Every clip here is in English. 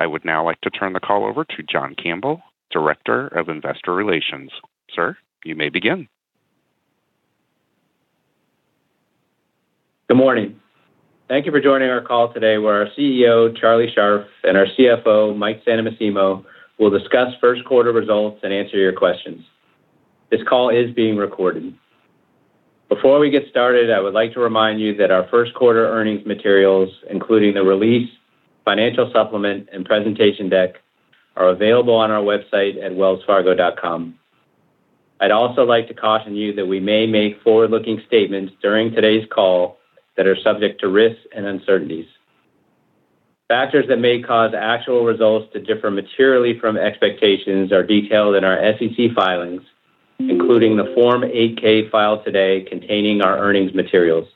I would now like to turn the call over to John Campbell, Director of Investor Relations. Sir, you may begin. Good morning. Thank you for joining our call today, where our CEO, Charlie Scharf, and our CFO, Mike Santomassimo, will discuss first quarter results and answer your questions. This call is being recorded. Before we get started, I would like to remind you that our first quarter earnings materials, including the release, financial supplement, and presentation deck, are available on our website at wellsfargo.com. I'd also like to caution you that we may make forward-looking statements during today's call that are subject to risks and uncertainties. Factors that may cause actual results to differ materially from expectations are detailed in our SEC filings, including the Form 8-K filed today containing our earnings materials.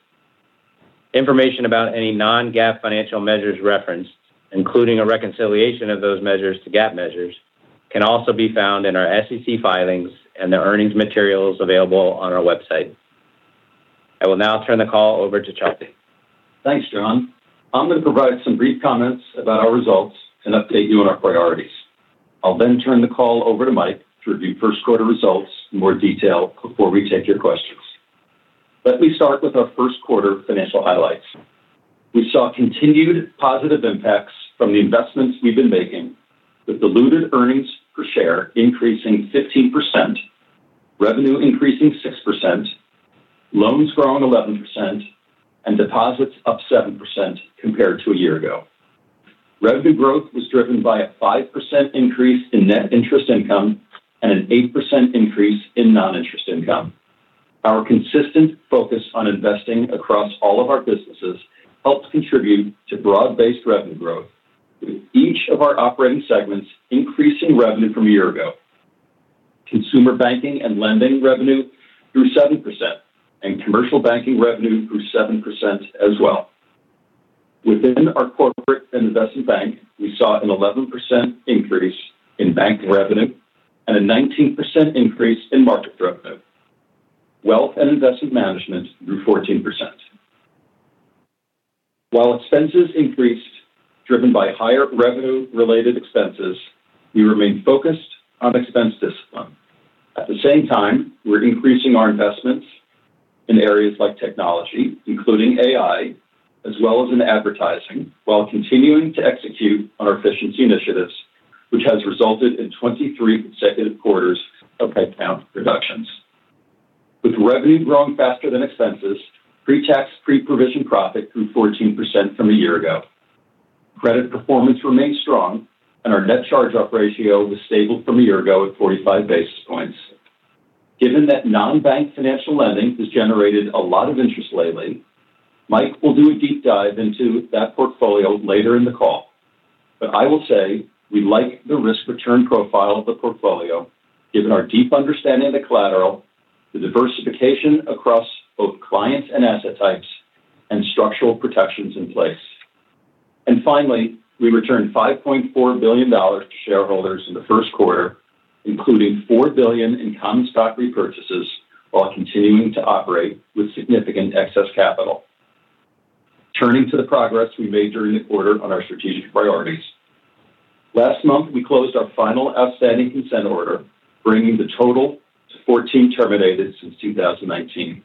Information about any non-GAAP financial measures referenced, including a reconciliation of those measures to GAAP measures, can also be found in our SEC filings and the earnings materials available on our website. I will now turn the call over to Charlie. Thanks, John. I'm going to provide some brief comments about our results and update you on our priorities. I'll then turn the call over to Mike to review first quarter results in more detail before we take your questions. Let me start with our first quarter financial highlights. We saw continued positive impacts from the investments we've been making, with diluted earnings per share increasing 15%, revenue increasing 6%, loans growing 11%, and deposits up 7% compared to a year ago. Revenue growth was driven by a 5% increase in net interest income and an 8% increase in non-interest income. Our consistent focus on investing across all of our businesses helped contribute to broad-based revenue growth, with each of our operating segments increasing revenue from a year ago. Consumer Banking and Lending revenue grew 7%, and Commercial Banking revenue grew 7% as well. Within our Corporate and Investment Bank, we saw an 11% increase in Banking revenue and a 19% increase in Markets revenue. Wealth and Investment Management grew 14%. While expenses increased, driven by higher revenue-related expenses, we remain focused on expense discipline. At the same time, we're increasing our investments in areas like technology, including AI, as well as in advertising, while continuing to execute on our efficiency initiatives, which has resulted in 23 consecutive quarters of headcount reductions. With revenue growing faster than expenses, pre-tax, pre-provision profit grew 14% from a year ago. Credit performance remained strong, and our net charge-off ratio was stable from a year ago at 45 basis points. Given that non-bank financial lending has generated a lot of interest lately, Mike will do a deep dive into that portfolio later in the call. I will say, we like the risk-return profile of the portfolio, given our deep understanding of the collateral, the diversification across both clients and asset types, and structural protections in place. Finally, we returned $5.4 billion to shareholders in the first quarter, including $4 billion in common stock repurchases, while continuing to operate with significant excess capital. Turning to the progress we made during the quarter on our strategic priorities, last month, we closed our final outstanding consent order, bringing the total to 14 terminated since 2019.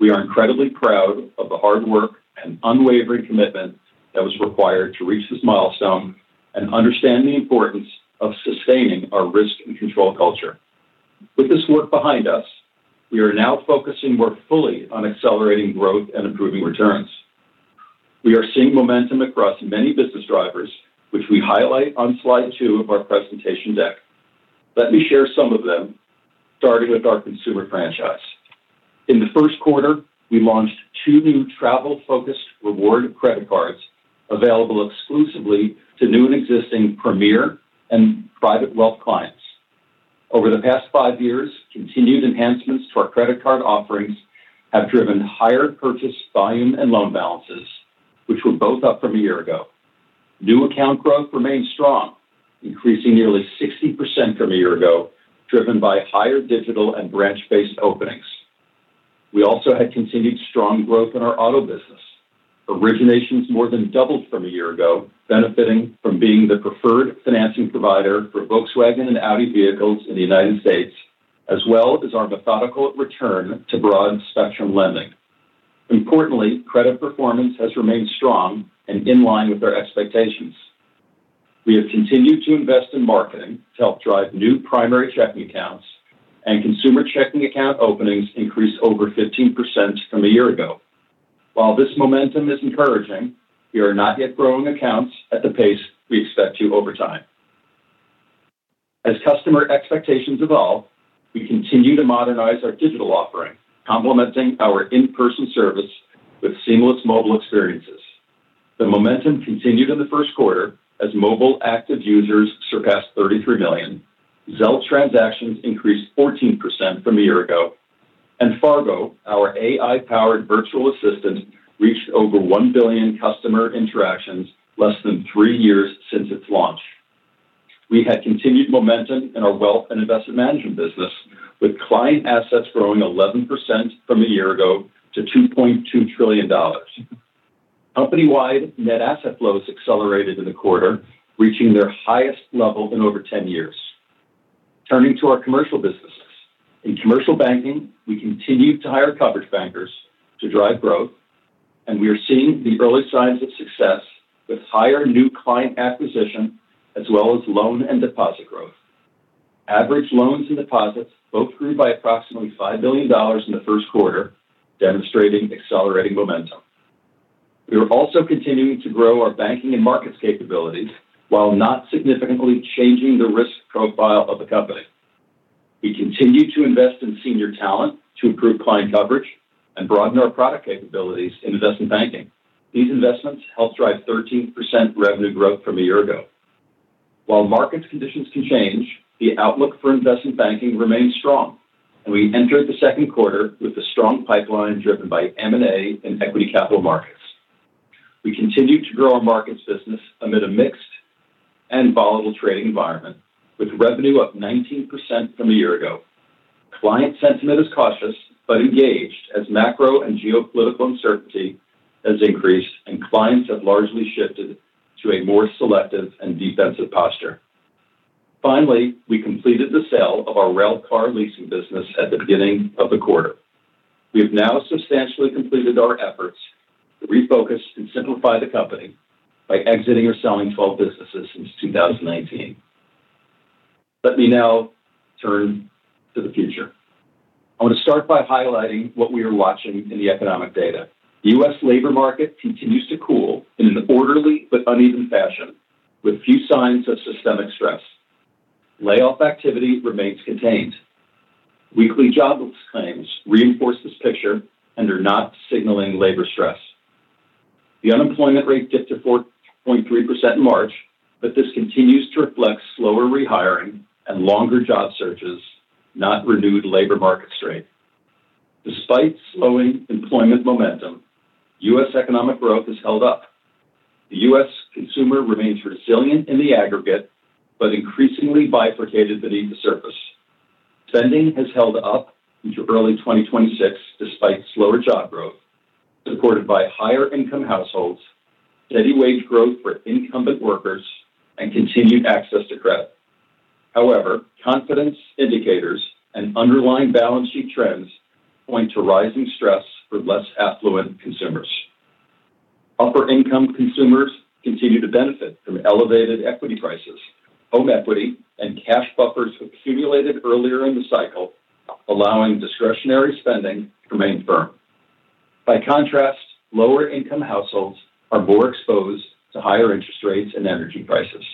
We are incredibly proud of the hard work and unwavering commitment that was required to reach this milestone and understand the importance of sustaining our risk and control culture. With this work behind us, we are now focusing more fully on accelerating growth and improving returns. We are seeing momentum across many business drivers, which we highlight on slide two of our presentation deck. Let me share some of them, starting with our consumer franchise. In the first quarter, we launched two new travel-focused reward credit cards available exclusively to new and existing Premier and private wealth clients. Over the past five years, continued enhancements to our credit card offerings have driven higher purchase volume and loan balances, which were both up from a year ago. New account growth remained strong, increasing nearly 60% from a year ago, driven by higher digital and branch-based openings. We also had continued strong growth in our auto business. Originations more than doubled from a year ago, benefiting from being the preferred financing provider for Volkswagen and Audi vehicles in the United States, as well as our methodical return to broad-spectrum lending. Importantly, credit performance has remained strong and in line with our expectations. We have continued to invest in marketing to help drive new primary checking accounts, and consumer checking account openings increased over 15% from a year ago. While this momentum is encouraging, we are not yet growing accounts at the pace we expect to over time. As customer expectations evolve, we continue to modernize our digital offering, complementing our in-person service with seamless mobile experiences. The momentum continued in the first quarter as mobile active users surpassed 33 million. Zelle transactions increased 14% from a year ago, and Fargo, our AI-powered virtual assistant, reached over 1 billion customer interactions less than three years since its launch. We had continued momentum in our Wealth and Investment Management business with client assets growing 11% from a year ago to $2.2 trillion. Company-wide net asset flows accelerated in the quarter, reaching their highest level in over 10 years. Turning to our commercial businesses, in Commercial Banking, we continued to hire coverage bankers to drive growth, and we are seeing the early signs of success with higher new client acquisition as well as loan and deposit growth. Average loans and deposits both grew by approximately $5 billion in the first quarter, demonstrating accelerating momentum. We are also continuing to grow our Banking and Markets capabilities while not significantly changing the risk profile of the company. We continue to invest in senior talent to improve client coverage and broaden our product capabilities in Investment Banking. These investments helped drive 13% revenue growth from a year ago. While market conditions can change, the outlook for investment banking remains strong, and we entered the second quarter with a strong pipeline driven by M&A and equity capital markets. We continued to grow our markets business amid a mixed and volatile trading environment, with revenue up 19% from a year ago. Client sentiment is cautious but engaged as macro and geopolitical uncertainty has increased, and clients have largely shifted to a more selective and defensive posture. Finally, we completed the sale of our railcar leasing business at the beginning of the quarter. We have now substantially completed our efforts to refocus and simplify the company by exiting or selling 12 businesses since 2019. Let me now turn to the future. I want to start by highlighting what we are watching in the economic data. The U.S. labor market continues to cool in an orderly but uneven fashion, with few signs of systemic stress. Layoff activity remains contained. Weekly jobless claims reinforce this picture and are not signaling labor stress. The unemployment rate dipped to 4.3% in March, but this continues to reflect slower rehiring and longer job searches, not renewed labor market strength. Despite slowing employment momentum, U.S. economic growth has held up. The U.S. consumer remains resilient in the aggregate, but increasingly bifurcated beneath the surface. Spending has held up into early 2026 despite slower job growth, supported by higher income households, steady wage growth for incumbent workers, and continued access to credit. However, confidence indicators and underlying balance sheet trends point to rising stress for less affluent consumers. Upper-income consumers continue to benefit from elevated equity prices. Home equity and cash buffers accumulated earlier in the cycle, allowing discretionary spending to remain firm. By contrast, lower-income households are more exposed to higher interest rates and energy prices.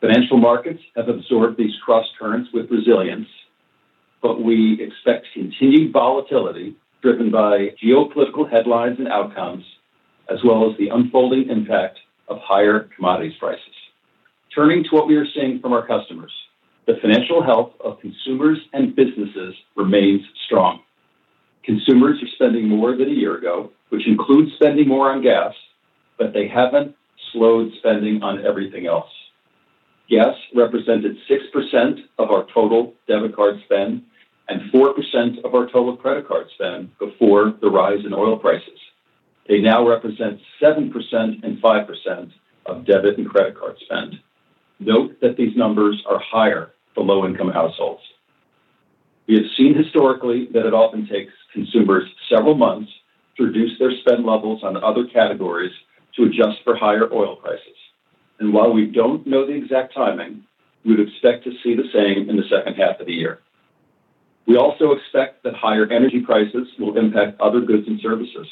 Financial markets have absorbed these crosscurrents with resilience, but we expect continued volatility driven by geopolitical headlines and outcomes, as well as the unfolding impact of higher commodities prices. Turning to what we are seeing from our customers, the financial health of consumers and businesses remains strong. Consumers are spending more than a year ago, which includes spending more on gas, but they haven't slowed spending on everything else. Gas represented 6% of our total debit card spend and 4% of our total credit card spend before the rise in oil prices. They now represent 7% and 5% of debit and credit card spend. Note that these numbers are higher for low-income households. We have seen historically that it often takes consumers several months to reduce their spend levels on other categories to adjust for higher oil prices. While we don't know the exact timing, we would expect to see the same in the second half of the year. We also expect that higher energy prices will impact other goods and services.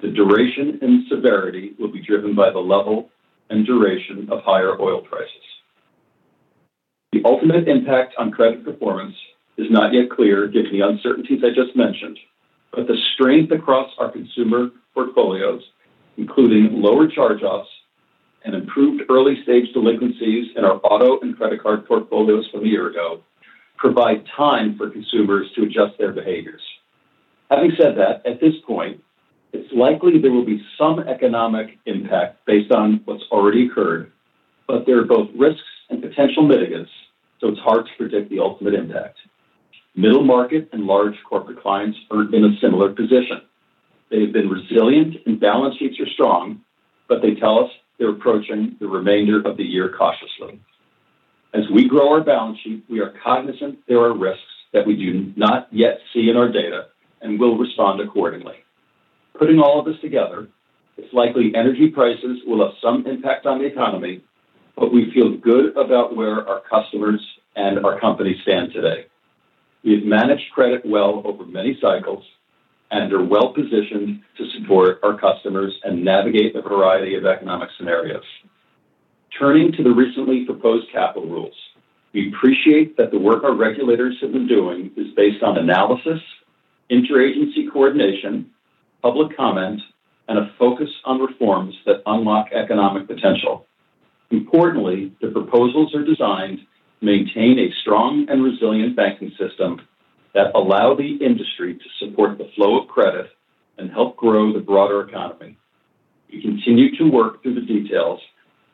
The duration and severity will be driven by the level and duration of higher oil prices. The ultimate impact on credit performance is not yet clear given the uncertainties I just mentioned, but the strength across our consumer portfolios, including lower charge-offs and improved early-stage delinquencies in our auto and credit card portfolios from a year ago, provide time for consumers to adjust their behaviors. Having said that, at this point, it's likely there will be some economic impact based on what's already occurred, but there are both risks and potential mitigants, so it's hard to predict the ultimate impact. Middle market and large corporate clients are in a similar position. They've been resilient and balance sheets are strong, but they tell us they're approaching the remainder of the year cautiously. As we grow our balance sheet, we are cognizant there are risks that we do not yet see in our data and will respond accordingly. Putting all of this together, it's likely energy prices will have some impact on the economy, but we feel good about where our customers and our company stand today. We have managed credit well over many cycles and are well-positioned to support our customers and navigate the variety of economic scenarios. Turning to the recently proposed capital rules. We appreciate that the work our regulators have been doing is based on analysis, interagency coordination, public comment, and a focus on reforms that unlock economic potential. Importantly, the proposals are designed to maintain a strong and resilient banking system that allow the industry to support the flow of credit and help grow the broader economy. We continue to work through the details,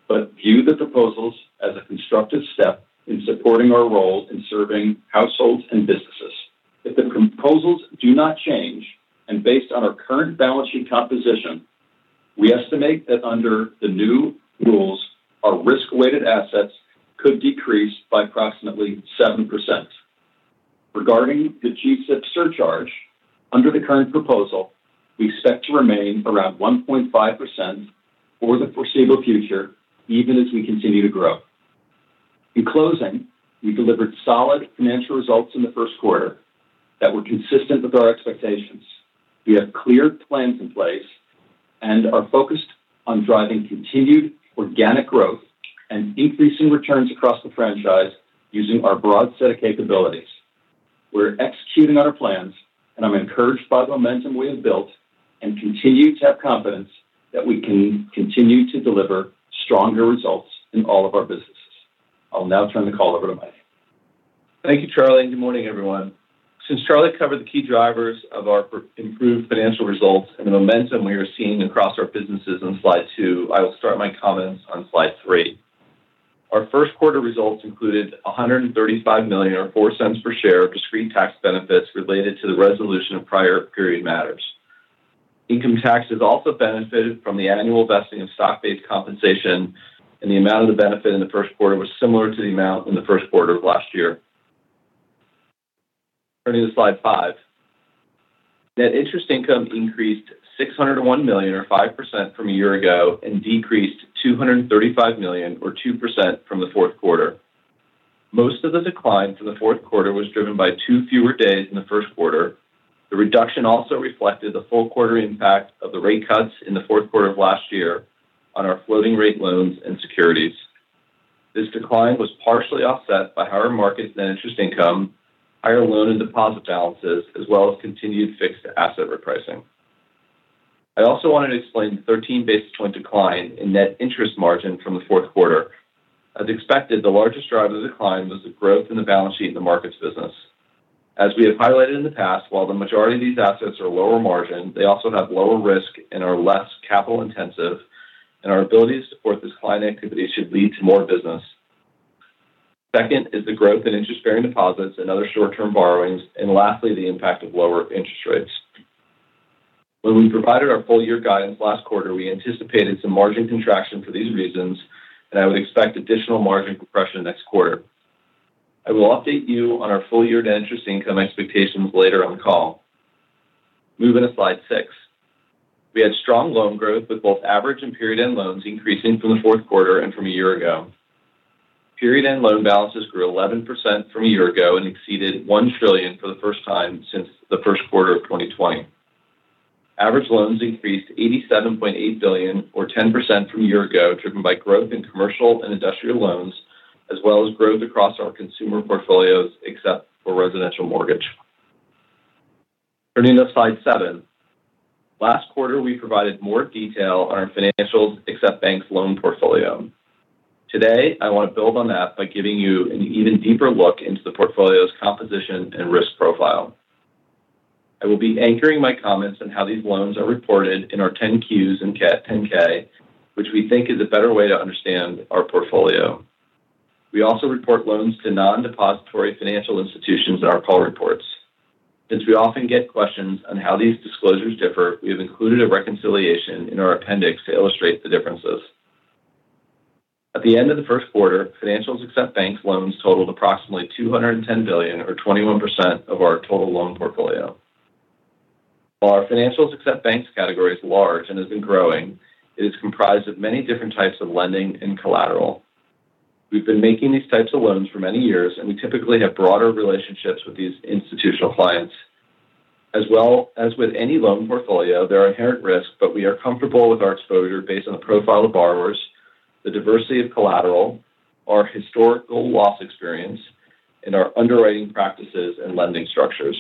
but view the proposals as a constructive step in supporting our role in serving households and businesses. If the proposals do not change, and based on our current balance sheet composition, we estimate that under the new rules, our risk-weighted assets could decrease by approximately 7%. Regarding the G-SIB surcharge, under the current proposal, we expect to remain around 1.5% for the foreseeable future, even as we continue to grow. In closing, we delivered solid financial results in the first quarter that were consistent with our expectations. We have clear plans in place and are focused on driving continued organic growth and increasing returns across the franchise using our broad set of capabilities. We're executing on our plans, and I'm encouraged by the momentum we have built and continue to have confidence that we can continue to deliver stronger results in all of our businesses. I'll now turn the call over to Mike. Thank you, Charlie, and good morning, everyone. Since Charlie covered the key drivers of our improved financial results and the momentum we are seeing across our businesses on slide two, I will start my comments on slide three. Our first quarter results included $135 million, or $0.04 per share of discrete tax benefits related to the resolution of prior period matters. Income taxes also benefited from the annual vesting of stock-based compensation, and the amount of the benefit in the first quarter was similar to the amount in the first quarter of last year. Turning to slide five. Net interest income increased $601 million or 5% from a year ago and decreased $235 million or 2% from the fourth quarter. Most of the decline from the fourth quarter was driven by two fewer days in the first quarter. The reduction also reflected the full quarter impact of the rate cuts in the fourth quarter of last year on our floating rate loans and securities. This decline was partially offset by higher markets net interest income, higher loan and deposit balances, as well as continued fixed asset repricing. I also wanted to explain the 13 basis point decline in net interest margin from the fourth quarter. As expected, the largest driver decline was the growth in the balance sheet in the markets business. As we have highlighted in the past, while the majority of these assets are lower margin, they also have lower risk and are less capital intensive, and our ability to support this client activity should lead to more business. Second is the growth in interest-bearing deposits and other short-term borrowings, and lastly, the impact of lower interest rates. When we provided our full-year guidance last quarter, we anticipated some margin contraction for these reasons, and I would expect additional margin compression next quarter. I will update you on our full-year Net Interest Income expectations later on the call. Moving to slide six. We had strong loan growth with both average and period-end loans increasing from the fourth quarter and from a year ago. Period-end loan balances grew 11% from a year ago and exceeded $1 trillion for the first time since the first quarter of 2020. Average loans increased $87.8 billion or 10% from a year ago, driven by growth in Commercial and Industrial loans, as well as growth across our consumer portfolios except for residential mortgage. Turning to slide seven. Last quarter, we provided more detail on our non-bank financial institutions loan portfolio. Today, I want to build on that by giving you an even deeper look into the portfolio's composition and risk profile. I will be anchoring my comments on how these loans are reported in our 10-Qs and 10-K, which we think is a better way to understand our portfolio. We also report loans to non-depository financial institutions in our call reports. Since we often get questions on how these disclosures differ, we have included a reconciliation in our appendix to illustrate the differences. At the end of the first quarter, financials except banks loans totaled approximately $210 billion, or 21% of our total loan portfolio. While our financials except banks category is large and has been growing, it is comprised of many different types of lending and collateral. We've been making these types of loans for many years, and we typically have broader relationships with these institutional clients. As well as with any loan portfolio, there are inherent risks, but we are comfortable with our exposure based on the profile of borrowers, the diversity of collateral, our historical loss experience, and our underwriting practices and lending structures.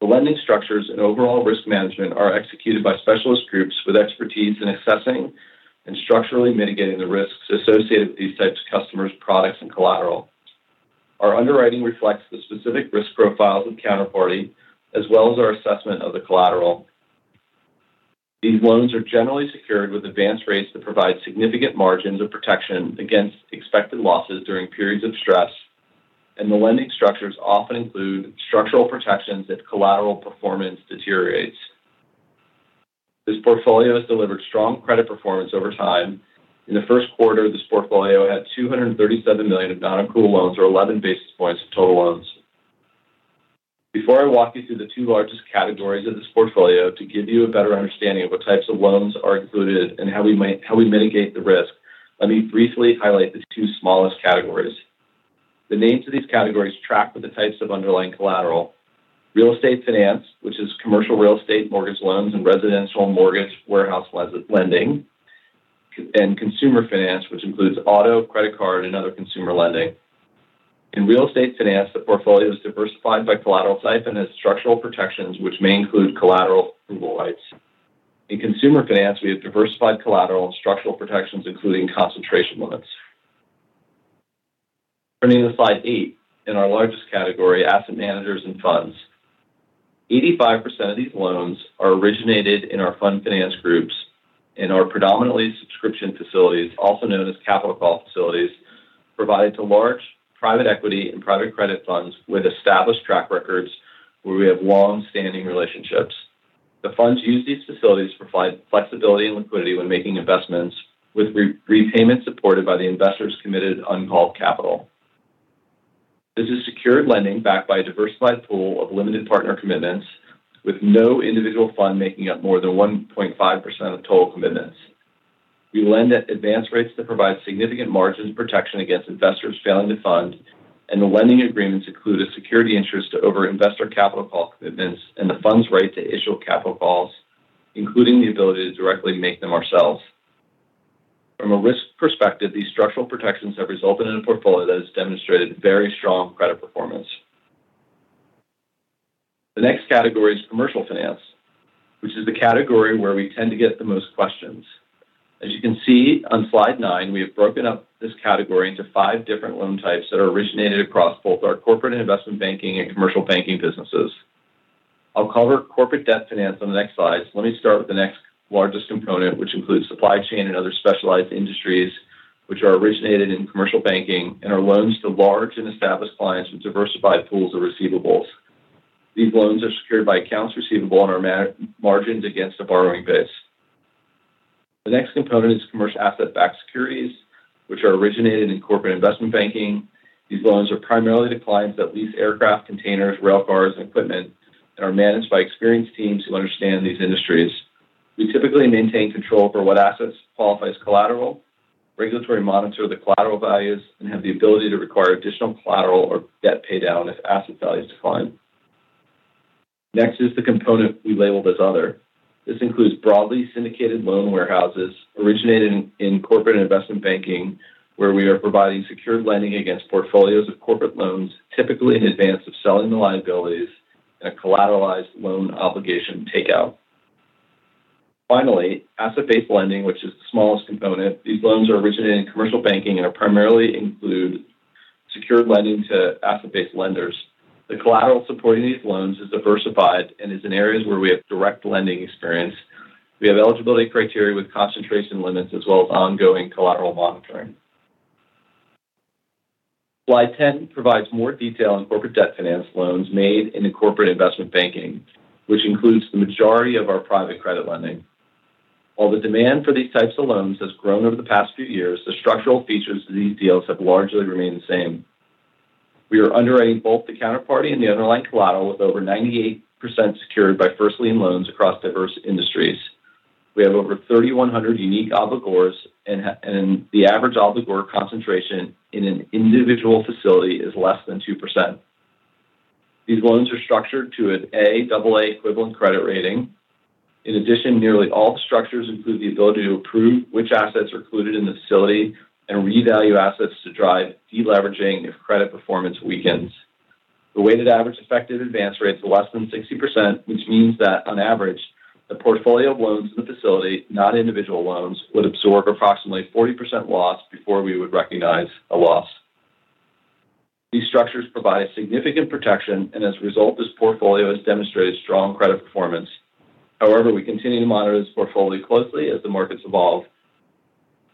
The lending structures and overall risk management are executed by specialist groups with expertise in assessing and structurally mitigating the risks associated with these types of customers' products and collateral. Our underwriting reflects the specific risk profiles of counterparty, as well as our assessment of the collateral. These loans are generally secured with advance rates that provide significant margins of protection against expected losses during periods of stress, and the lending structures often include structural protections if collateral performance deteriorates. This portfolio has delivered strong credit performance over time. In the first quarter, this portfolio had $237 million of non-accrual loans or 11 basis points of total loans. Before I walk you through the two largest categories of this portfolio to give you a better understanding of what types of loans are included and how we mitigate the risk, let me briefly highlight the two smallest categories. The names of these categories track with the types of underlying collateral, Real Estate Finance, which is commercial real estate mortgage loans and residential mortgage warehouse lending, and Consumer Finance, which includes auto, credit card, and other consumer lending. In Real Estate Finance, the portfolio is diversified by collateral type and has structural protections which may include collateral approval rights. In Consumer Finance, we have diversified collateral and structural protections, including concentration limits. Turning to slide eight, in our largest category, Asset Managers and Funds. 85% of these loans are originated in our Fund Finance groups in our predominantly subscription facilities, also known as capital call facilities, provided to large private equity and private credit funds with established track records where we have long-standing relationships. The funds use these facilities for flexibility and liquidity when making investments with repayments supported by the investors' committed uncalled capital. This is secured lending backed by a diversified pool of limited partner commitments, with no individual fund making up more than 1.5% of total commitments. We lend at advance rates that provide significant margin protection against investors failing to fund, and the lending agreements include a security interest over investor capital call commitments and the fund's right to issue capital calls, including the ability to directly make them ourselves. From a risk perspective, these structural protections have resulted in a portfolio that has demonstrated very strong credit performance. The next category is commercial finance, which is the category where we tend to get the most questions. As you can see on slide nine, we have broken up this category into five different loan types that are originated across both our Corporate and Investment Banking and Commercial Banking businesses. I'll cover corporate debt finance on the next slide. Let me start with the next largest component, which includes supply chain and other specialized industries, which are originated in Commercial Banking and are loans to large and established clients with diversified pools of receivables. These loans are secured by accounts receivable and are margined against a borrowing base. The next component is commercial asset-backed securities, which are originated in Corporate Investment Banking. These loans are primarily to clients that lease aircraft containers, railcars, and equipment, and are managed by experienced teams who understand these industries. We typically maintain control over what assets qualify as collateral, regular monitoring of the collateral values, and have the ability to require additional collateral or debt pay-down if asset values decline. Next is the component we labeled as Other. This includes broadly syndicated loan warehouses originated in Corporate Investment Banking, where we are providing secured lending against portfolios of corporate loans, typically in advance of selling the liabilities in a collateralized loan obligation takeout. Finally, asset-based lending, which is the smallest component. These loans are originated in Commercial Banking and primarily include secured lending to asset-based lenders. The collateral supporting these loans is diversified and is in areas where we have direct lending experience. We have eligibility criteria with concentration limits as well as ongoing collateral monitoring. Slide 10 provides more detail on corporate debt finance loans made into Corporate Investment Banking, which includes the majority of our private credit lending. While the demand for these types of loans has grown over the past few years, the structural features of these deals have largely remained the same. We are underwriting both the counterparty and the underlying collateral, with over 98% secured by first lien loans across diverse industries. We have over 3,100 unique obligors, and the average obligor concentration in an individual facility is less than 2%. These loans are structured to an AA equivalent credit rating. In addition, nearly all structures include the ability to approve which assets are included in the facility and revalue assets to drive de-leveraging if credit performance weakens. The weighted average effective advance rate is less than 60%, which means that on average, the portfolio of loans in the facility, not individual loans, would absorb approximately 40% loss before we would recognize a loss. These structures provide significant protection, and as a result, this portfolio has demonstrated strong credit performance. However, we continue to monitor this portfolio closely as the markets evolve.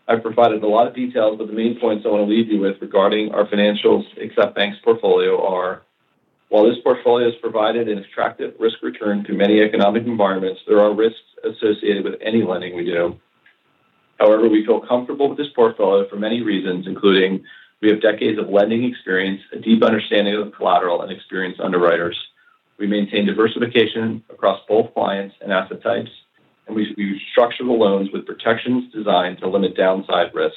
I've provided a lot of details, but the main points I want to leave you with regarding our financials except banks portfolio are, while this portfolio has provided an attractive risk-return through many economic environments, there are risks associated with any lending we do. However, we feel comfortable with this portfolio for many reasons, including we have decades of lending experience, a deep understanding of the collateral, and experienced underwriters. We maintain diversification across both clients and asset types, and we structure the loans with protections designed to limit downside risk.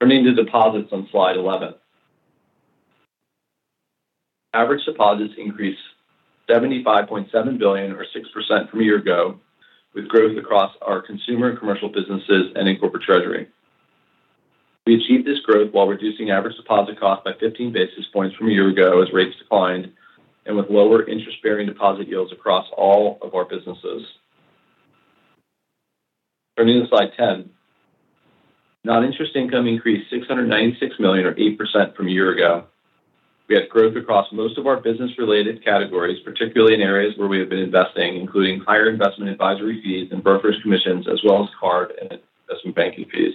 Turning to deposits on slide 11. Average deposits increased $75.7 billion or 6% from a year ago, with growth across our consumer and commercial businesses and in corporate treasury. We achieved this growth while reducing average deposit cost by 15 basis points from a year ago as rates declined and with lower interest-bearing deposit yields across all of our businesses. Turning to slide 12. Non-interest income increased $696 million or 8% from a year ago. We had growth across most of our business-related categories, particularly in areas where we have been investing, including higher investment advisory fees and brokerage commissions, as well as card and investment banking fees.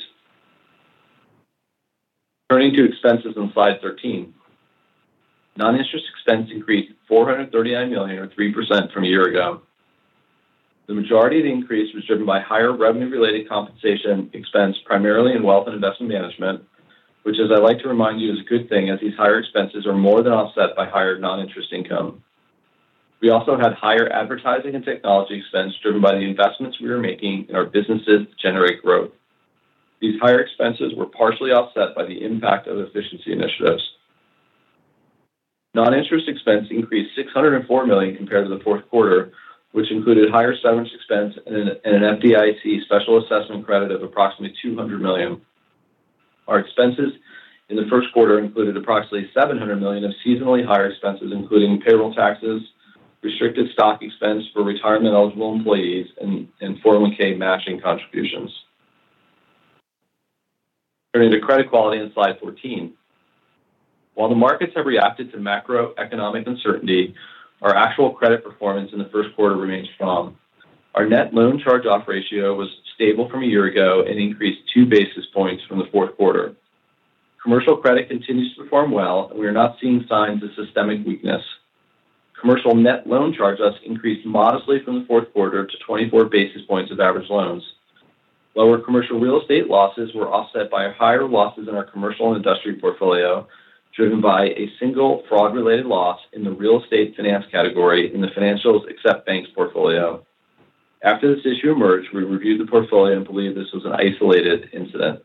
Turning to expenses on slide 13. Non-interest expense increased $439 million or 3% from a year ago. The majority of the increase was driven by higher revenue-related compensation expense primarily in Wealth and Investment Management, which, as I like to remind you, is a good thing as these higher expenses are more than offset by higher non-interest income. We also had higher advertising and technology expense driven by the investments we are making in our businesses to generate growth. These higher expenses were partially offset by the impact of efficiency initiatives. Non-interest expense increased $604 million compared to the fourth quarter, which included higher severance expense and an FDIC special assessment credit of approximately $200 million. Our expenses in the first quarter included approximately $700 million of seasonally higher expenses, including payroll taxes, restricted stock expense for retirement-eligible employees, and 401(k) matching contributions. Turning to credit quality on slide 14. While the markets have reacted to macroeconomic uncertainty, our actual credit performance in the first quarter remains strong. Our net loan charge-off ratio was stable from a year ago and increased two basis points from the fourth quarter. Commercial credit continues to perform well, and we are not seeing signs of systemic weakness. Commercial net loan charge-offs increased modestly from the fourth quarter to 24 basis points of average loans. Lower Commercial Real Estate losses were offset by higher losses in our Commercial and Industrial portfolio, driven by a single fraud-related loss in the Real Estate Finance category in the Financials except banks portfolio. After this issue emerged, we reviewed the portfolio and believe this was an isolated incident.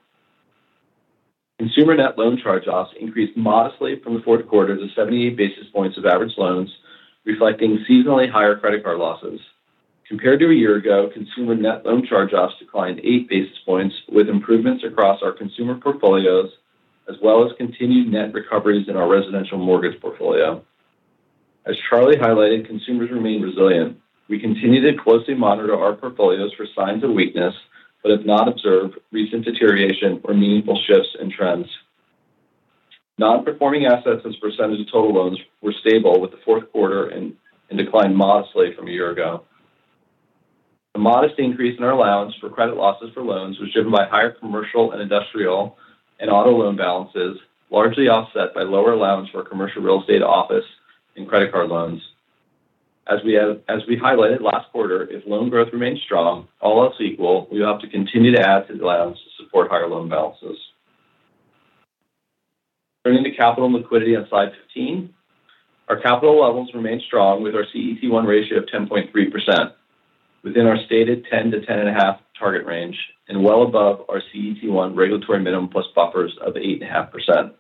Consumer net loan charge-offs increased modestly from the fourth quarter to 78 basis points of average loans, reflecting seasonally higher credit card losses. Compared to a year ago, consumer net loan charge-offs declined 8 basis points with improvements across our consumer portfolios, as well as continued net recoveries in our residential mortgage portfolio. As Charlie highlighted, consumers remain resilient. We continue to closely monitor our portfolios for signs of weakness, but have not observed recent deterioration or meaningful shifts in trends. Non-performing assets as a percentage of total loans were stable with the fourth quarter and declined modestly from a year ago. The modest increase in our allowance for credit losses for loans was driven by higher commercial and industrial and auto loan balances, largely offset by lower allowance for commercial real estate, office, and credit card loans. As we highlighted last quarter, if loan growth remains strong, all else equal, we will have to continue to add to the allowance to support higher loan balances. Turning to capital and liquidity on slide 15. Our capital levels remain strong with our CET1 ratio of 10.3%, within our stated 10%-10.5% target range, and well above our CET1 regulatory minimum plus buffers of 8.5%.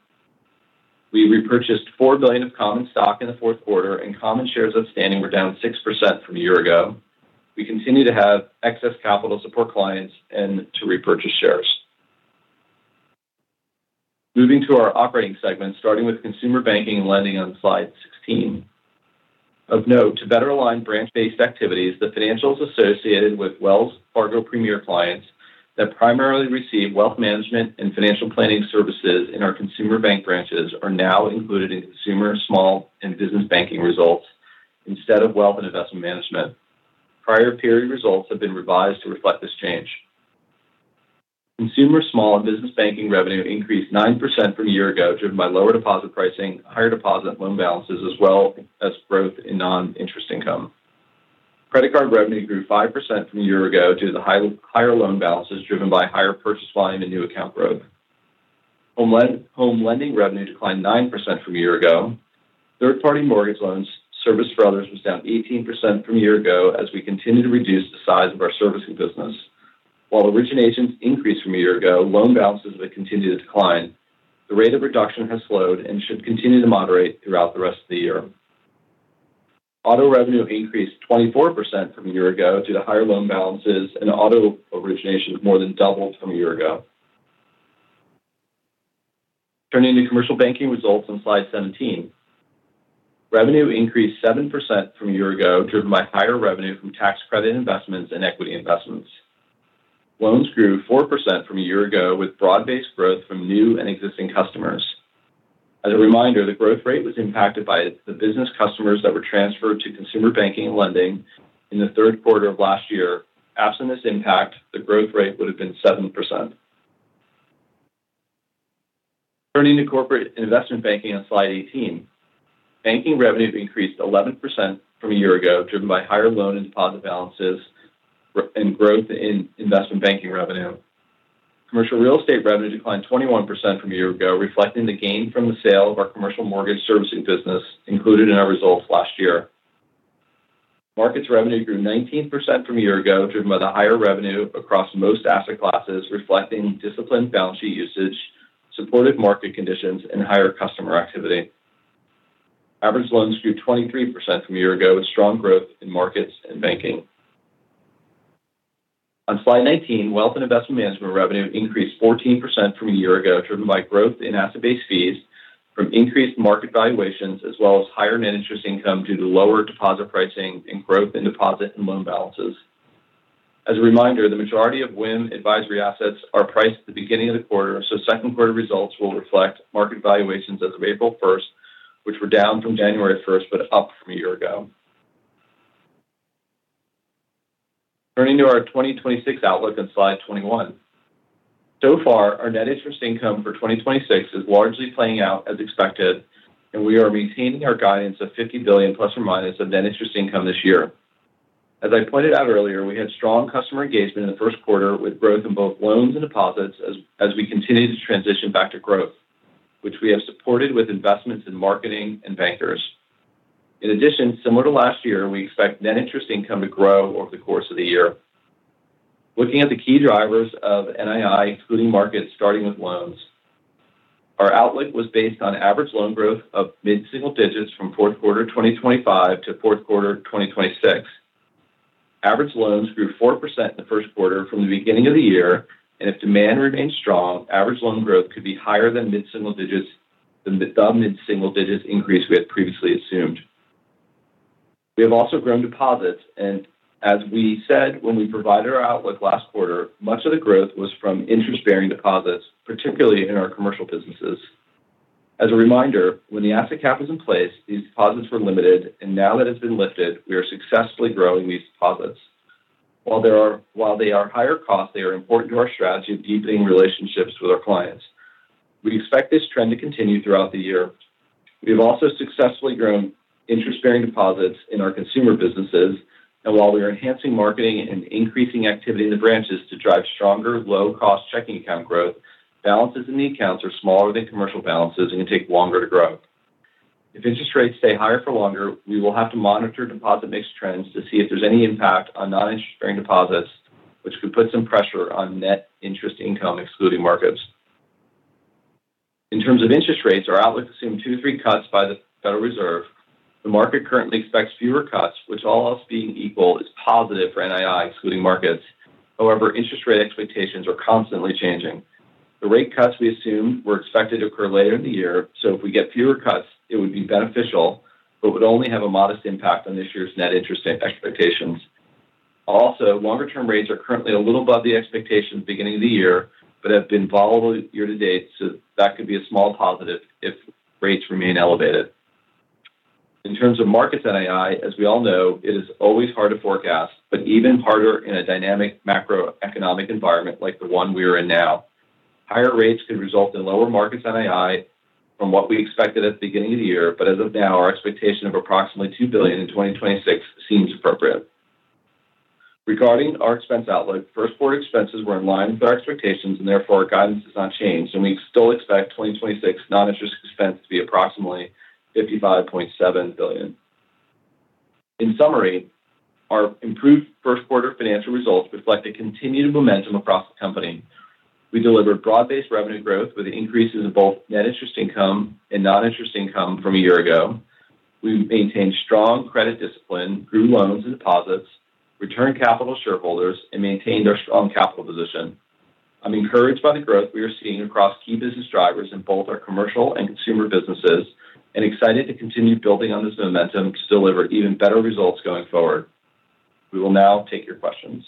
We repurchased $4 billion of common stock in the fourth quarter, and common shares outstanding were down 6% from a year ago. We continue to have excess capital support clients and to repurchase shares. Moving to our operating segments, starting with Consumer Banking and Lending on slide 16. Of note, to better align branch-based activities, the financials associated with Wells Fargo Premier clients that primarily receive wealth management and financial planning services in our consumer bank branches are now included in Consumer, Small, and Business Banking results instead of Wealth and Investment Management. Prior period results have been revised to reflect this change. Consumer, small, and business banking revenue increased 9% from a year ago, driven by lower deposit pricing, higher deposit loan balances, as well as growth in non-interest income. Credit card revenue grew 5% from a year ago due to the higher loan balances driven by higher purchase volume and new account growth. Home lending revenue declined 9% from a year ago. Third-party mortgage loans service for others was down 18% from a year ago as we continue to reduce the size of our servicing business. While originations increased from a year ago, loan balances have continued to decline. The rate of reduction has slowed and should continue to moderate throughout the rest of the year. Auto revenue increased 24% from a year ago due to higher loan balances, and auto originations more than doubled from a year ago. Turning to commercial banking results on slide 17. Revenue increased 7% from a year ago, driven by higher revenue from tax credit investments and equity investments. Loans grew 4% from a year ago, with broad-based growth from new and existing customers. As a reminder, the growth rate was impacted by the business customers that were transferred to Consumer Banking and Lending in the third quarter of last year. Absent this impact, the growth rate would have been 7%. Turning to Corporate Investment Banking on slide 18. Banking revenue increased 11% from a year ago, driven by higher loan and deposit balances and growth in Investment Banking revenue. Commercial Real Estate revenue declined 21% from a year ago, reflecting the gain from the sale of our Commercial Mortgage Servicing business included in our results last year. Markets revenue grew 19% from a year ago, driven by the higher revenue across most asset classes, reflecting disciplined balance sheet usage, supportive market conditions, and higher customer activity. Average loans grew 23% from a year ago with strong growth in Markets and Banking. On slide 19, Wealth and Investment Management revenue increased 14% from a year ago, driven by growth in asset-based fees from increased market valuations as well as higher net interest income due to lower deposit pricing and growth in deposit and loan balances. As a reminder, the majority of WIM advisory assets are priced at the beginning of the quarter, so second-quarter results will reflect market valuations as of April 1st, which were down from January 1st but up from a year ago. Turning to our 2026 outlook on slide 21. So far, our net interest income for 2026 is largely playing out as expected, and we are maintaining our guidance of $50 billion ± of net interest income this year. As I pointed out earlier, we had strong customer engagement in the first quarter with growth in both loans and deposits as we continue to transition back to growth, which we have supported with investments in marketing and bankers. In addition, similar to last year, we expect net interest income to grow over the course of the year. Looking at the key drivers of NII, excluding markets, starting with loans. Our outlook was based on average loan growth of mid-single digits from fourth quarter 2025 to fourth quarter 2026. Average loans grew 4% in the first quarter from the beginning of the year, and if demand remains strong, average loan growth could be higher than the mid-single digits increase we had previously assumed. We have also grown deposits, and as we said when we provided our outlook last quarter, much of the growth was from interest-bearing deposits, particularly in our commercial businesses. As a reminder, when the asset cap was in place, these deposits were limited, and now that it's been lifted, we are successfully growing these deposits. While they are higher cost, they are important to our strategy of deepening relationships with our clients. We expect this trend to continue throughout the year. We have also successfully grown interest-bearing deposits in our consumer businesses, and while we are enhancing marketing and increasing activity in the branches to drive stronger low-cost checking account growth, balances in the accounts are smaller than commercial balances and can take longer to grow. If interest rates stay higher for longer, we will have to monitor deposit mix trends to see if there's any impact on non-interest-bearing deposits, which could put some pressure on net interest income excluding markets. In terms of interest rates, our outlook assumed two to three cuts by the Federal Reserve. The market currently expects fewer cuts, which all else being equal is positive for NII excluding markets. However, interest rate expectations are constantly changing. The rate cuts we assumed were expected to occur later in the year. If we get fewer cuts, it would be beneficial but would only have a modest impact on this year's net interest income expectations. Also, longer-term rates are currently a little above the expectations beginning of the year but have been volatile year to date. That could be a small positive if rates remain elevated. In terms of markets NII, as we all know, it is always hard to forecast but even harder in a dynamic macroeconomic environment like the one we are in now. Higher rates could result in lower markets NII from what we expected at the beginning of the year. As of now, our expectation of approximately $2 billion in 2024 seems appropriate. Regarding our expense outlook, first quarter expenses were in line with our expectations and therefore guidance has not changed, and we still expect 2026 non-interest expense to be approximately $55.7 billion. In summary, our improved first quarter financial results reflect a continued momentum across the company. We delivered broad-based revenue growth with increases in both net interest income and non-interest income from a year ago. We maintained strong credit discipline, grew loans and deposits, returned capital to shareholders, and maintained our strong capital position. I'm encouraged by the growth we are seeing across key business drivers in both our commercial and consumer businesses, and excited to continue building on this momentum to deliver even better results going forward. We will now take your questions.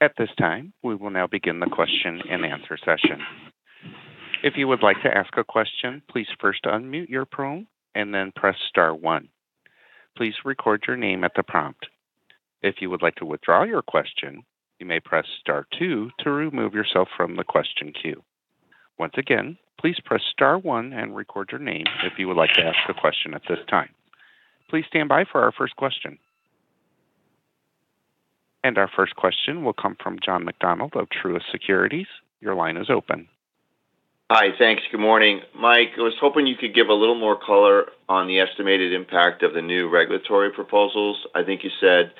At this time, we will now begin the question and answer session. If you would like to ask a question, please first unmute your phone and then press star one. Please record your name at the prompt. If you would like to withdraw your question, you may press star two to remove yourself from the question queue. Once again, please press star one and record your name if you would like to ask a question at this time. Please stand by for our first question. Our first question will come from John McDonald of Truist Securities. Your line is open. Hi. Thanks. Good morning. Mike, I was hoping you could give a little more color on the estimated impact of the new regulatory proposals. I think you said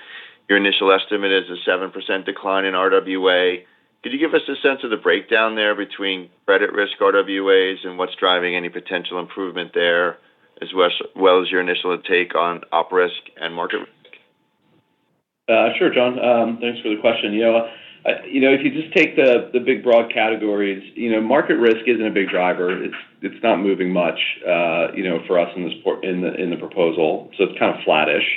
your initial estimate is a 7% decline in RWA. Could you give us a sense of the breakdown there between credit risk RWAs and what's driving any potential improvement there, as well as your initial take on Op risk and market risk? Sure, John. Thanks for the question. If you just take the big broad categories, market risk isn't a big driver. It's not moving much for us in the proposal, so it's kind of flattish.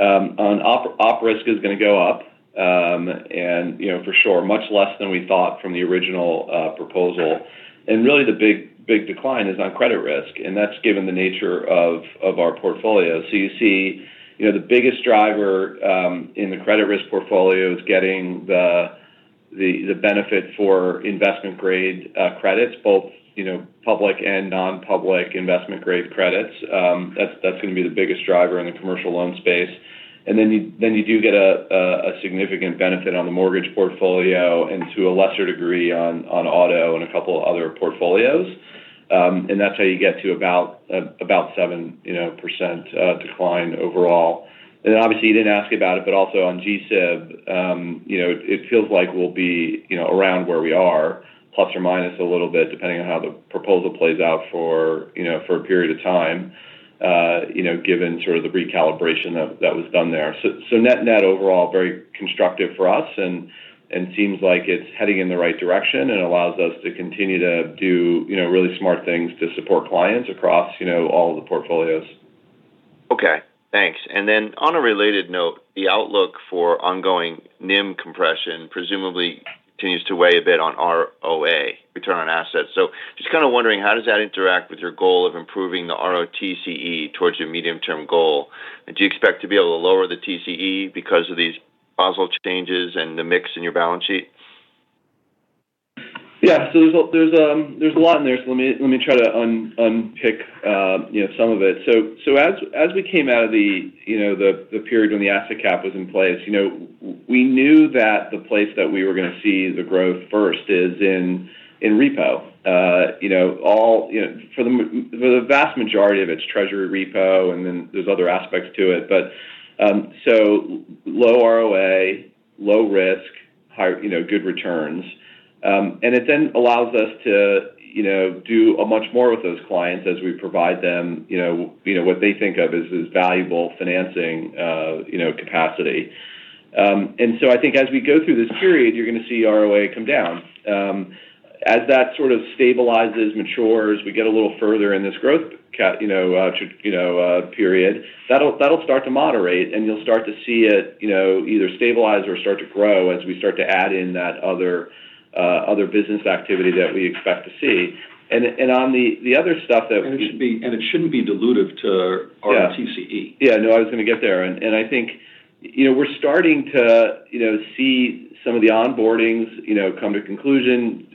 Op risk is going to go up for sure much less than we thought from the original proposal. Really the big decline is on credit risk, and that's given the nature of our portfolio. You see the biggest driver in the credit risk portfolio is getting the benefit for investment-grade credits, both public and non-public investment-grade credits. That's going to be the biggest driver in the commercial loan space. You do get a significant benefit on the mortgage portfolio and to a lesser degree on auto and a couple other portfolios. That's how you get to about 7% decline overall. Obviously you didn't ask about it, but also on G-SIB, it feels like we'll be around where we are ± a little bit, depending on how the proposal plays out for a period of time given sort of the recalibration that was done there. Net-net overall, very constructive for us and seems like it's heading in the right direction and allows us to continue to do really smart things to support clients across all of the portfolios. Okay, thanks. On a related note, the outlook for ongoing NIM compression presumably continues to weigh a bit on ROA, return on assets. Just kind of wondering how does that interact with your goal of improving the ROTCE towards your medium-term goal, and do you expect to be able to lower the TCE because of these proposal changes and the mix in your balance sheet? Yeah. There's a lot in there, so let me try to unpick some of it. As we came out of the period when the asset cap was in place, we knew that the place that we were going to see the growth first is in repo. For the vast majority of it's Treasury repo, and then there's other aspects to it. Low ROA, low risk, good returns. It then allows us to do much more with those clients as we provide them what they think of as valuable financing capacity. I think as we go through this period, you're going to see ROA come down. As that sort of stabilizes, matures, we get a little further in this growth period, that'll start to moderate, and you'll start to see it either stabilize or start to grow as we start to add in that other business activity that we expect to see. It shouldn't be dilutive to ROTCE. Yeah, no, I was going to get there. I think we're starting to see some of the onboardings come to conclusion.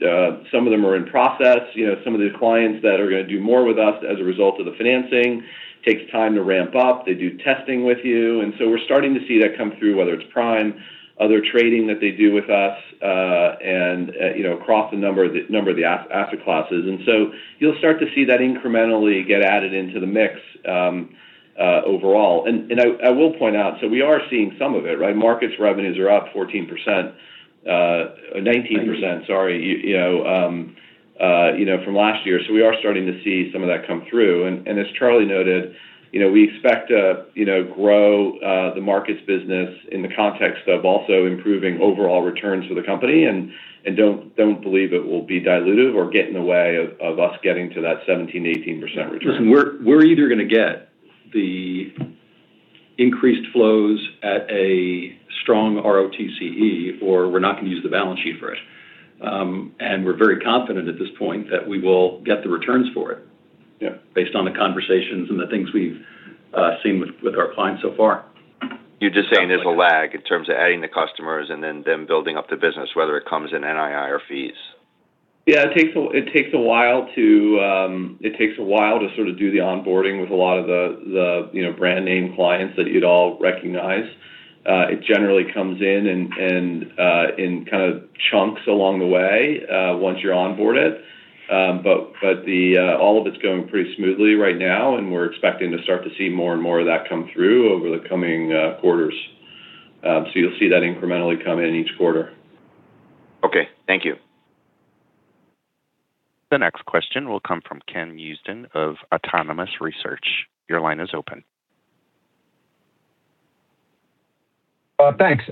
Some of them are in process. Some of the clients that are going to do more with us as a result of the financing takes time to ramp up. They do testing with you. We're starting to see that come through, whether it's prime, other trading that they do with us, and across a number of the asset classes. You'll start to see that incrementally get added into the mix overall. I will point out, so we are seeing some of it, right? Markets revenues are up 19% from last year. We are starting to see some of that come through. As Charlie noted, we expect to grow the markets business in the context of also improving overall returns for the company, and don't believe it will be dilutive or get in the way of us getting to that 17%-18% return. Listen, we're either going to get the increased flows at a strong ROTCE or we're not going to use the balance sheet for it. We're very confident at this point that we will get the returns for it. Yeah. Based on the conversations and the things we've seen with our clients so far. You're just saying there's a lag in terms of adding the customers and then them building up the business, whether it comes in NII or fees. Yeah, it takes a while to sort of do the onboarding with a lot of the brand name clients that you'd all recognize. It generally comes in kind of chunks along the way once you're onboarded. All of it's going pretty smoothly right now, and we're expecting to start to see more and more of that come through over the coming quarters. You'll see that incrementally come in each quarter. Okay. Thank you. The next question will come from Ken Usdin of Autonomous Research. Your line is open. Thanks.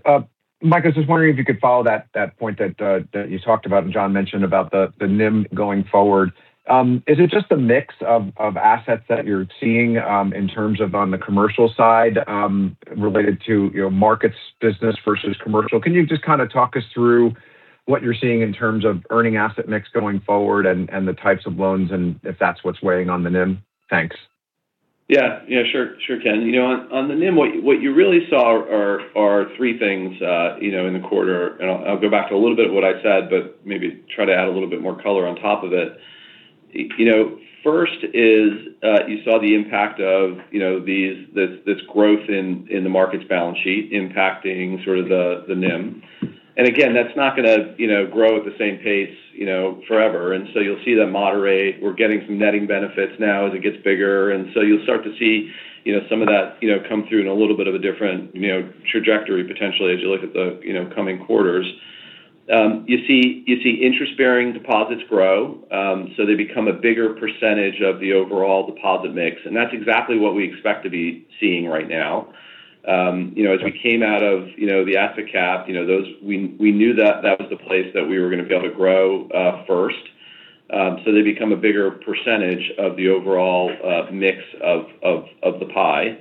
Mike, I was just wondering if you could follow that point that you talked about and John mentioned about the NIM going forward. Is it just a mix of assets that you're seeing in terms of on the commercial side related to your markets business versus commercial? Can you just kind of talk us through what you're seeing in terms of earning asset mix going forward and the types of loans and if that's what's weighing on the NIM? Thanks. Yeah. Sure, Ken. On the NIM, what you really saw are three things in the quarter, and I'll go back to a little bit of what I said, but maybe try to add a little bit more color on top of it. First is you saw the impact of this growth in the markets balance sheet impacting sort of the NIM. Again, that's not going to grow at the same pace forever. You'll see that moderate. We're getting some netting benefits now as it gets bigger. You'll start to see some of that come through in a little bit of a different trajectory potentially as you look at the coming quarters. You see interest-bearing deposits grow, so they become a bigger percentage of the overall deposit mix. That's exactly what we expect to be seeing right now. As we came out of the asset cap, we knew that that was the place that we were going to be able to grow first. They become a bigger percentage of the overall mix of the pie.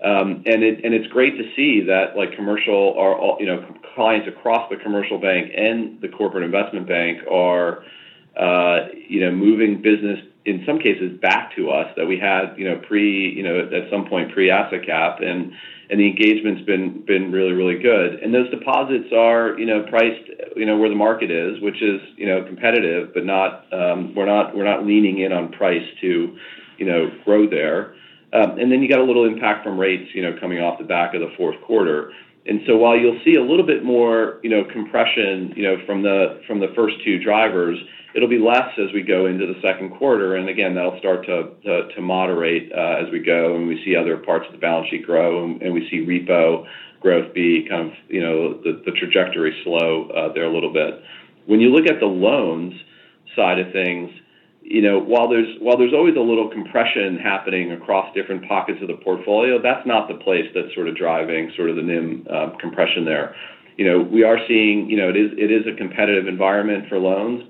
It's great to see that clients across the Commercial Bank and the Corporate & Investment Bank are moving business in some cases back to us that we had at some point pre-asset cap, and the engagement's been really good. Those deposits are priced where the market is, which is competitive, but we're not leaning in on price to grow there. You got a little impact from rates coming off the back of the fourth quarter. While you'll see a little bit more compression from the first two drivers, it'll be less as we go into the second quarter. Again, that'll start to moderate as we go, and we see other parts of the balance sheet grow, and we see repo growth, the trajectory slow there a little bit. When you look at the loans side of things, while there's always a little compression happening across different pockets of the portfolio, that's not the place that's sort of driving the NIM compression there. We are seeing it is a competitive environment for loans,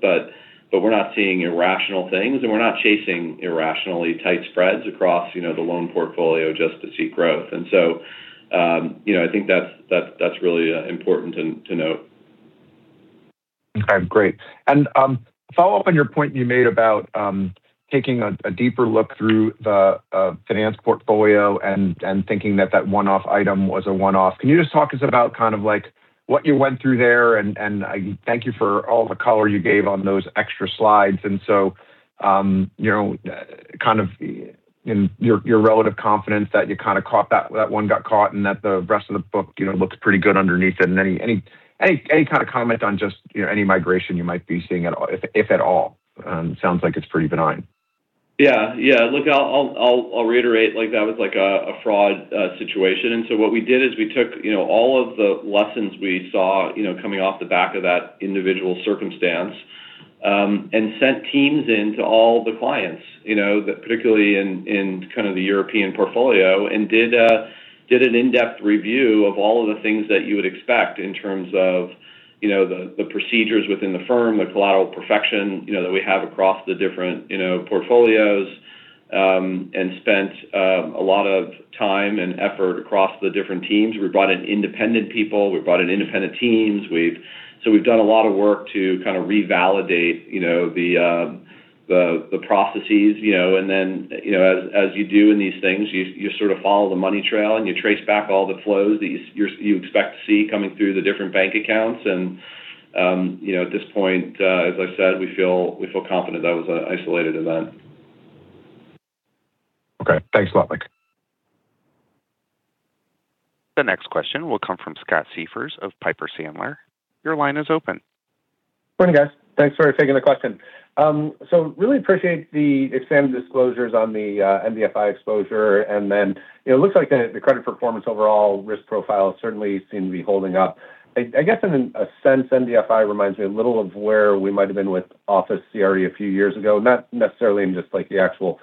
but we're not seeing irrational things, and we're not chasing irrationally tight spreads across the loan portfolio just to see growth. I think that's really important to note. Okay, great. Follow up on your point you made about taking a deeper look through the finance portfolio and thinking that that one-off item was a one-off. Can you just talk us about kind of what you went through there? Thank you for all the color you gave on those extra slides, and so your relative confidence that one got caught and that the rest of the book looks pretty good underneath it. Any kind of comment on just any migration you might be seeing, if at all? Sounds like it's pretty benign. Yeah. Look, I'll reiterate that was a fraud situation. What we did is we took all of the lessons we saw coming off the back of that individual circumstance, and sent teams into all the clients, particularly in kind of the European portfolio, and did an in-depth review of all of the things that you would expect in terms of the procedures within the firm, the collateral perfection that we have across the different portfolios, and spent a lot of time and effort across the different teams. We brought in independent people. We brought in independent teams. We've done a lot of work to kind of revalidate the processes, and then, as you do in these things, you sort of follow the money trail, and you trace back all the flows that you expect to see coming through the different bank accounts. At this point, as I've said, we feel confident that was an isolated event. Okay. Thanks a lot, Mike. The next question will come from Scott Siefers of Piper Sandler. Your line is open. Morning, guys. Thanks for taking the question. I really appreciate the expanded disclosures on the NBFI exposure, and then it looks like the credit performance overall risk profile certainly seemed to be holding up. I guess in a sense, NBFI reminds me a little of where we might've been with office CRE a few years ago. Not necessarily in just like the actual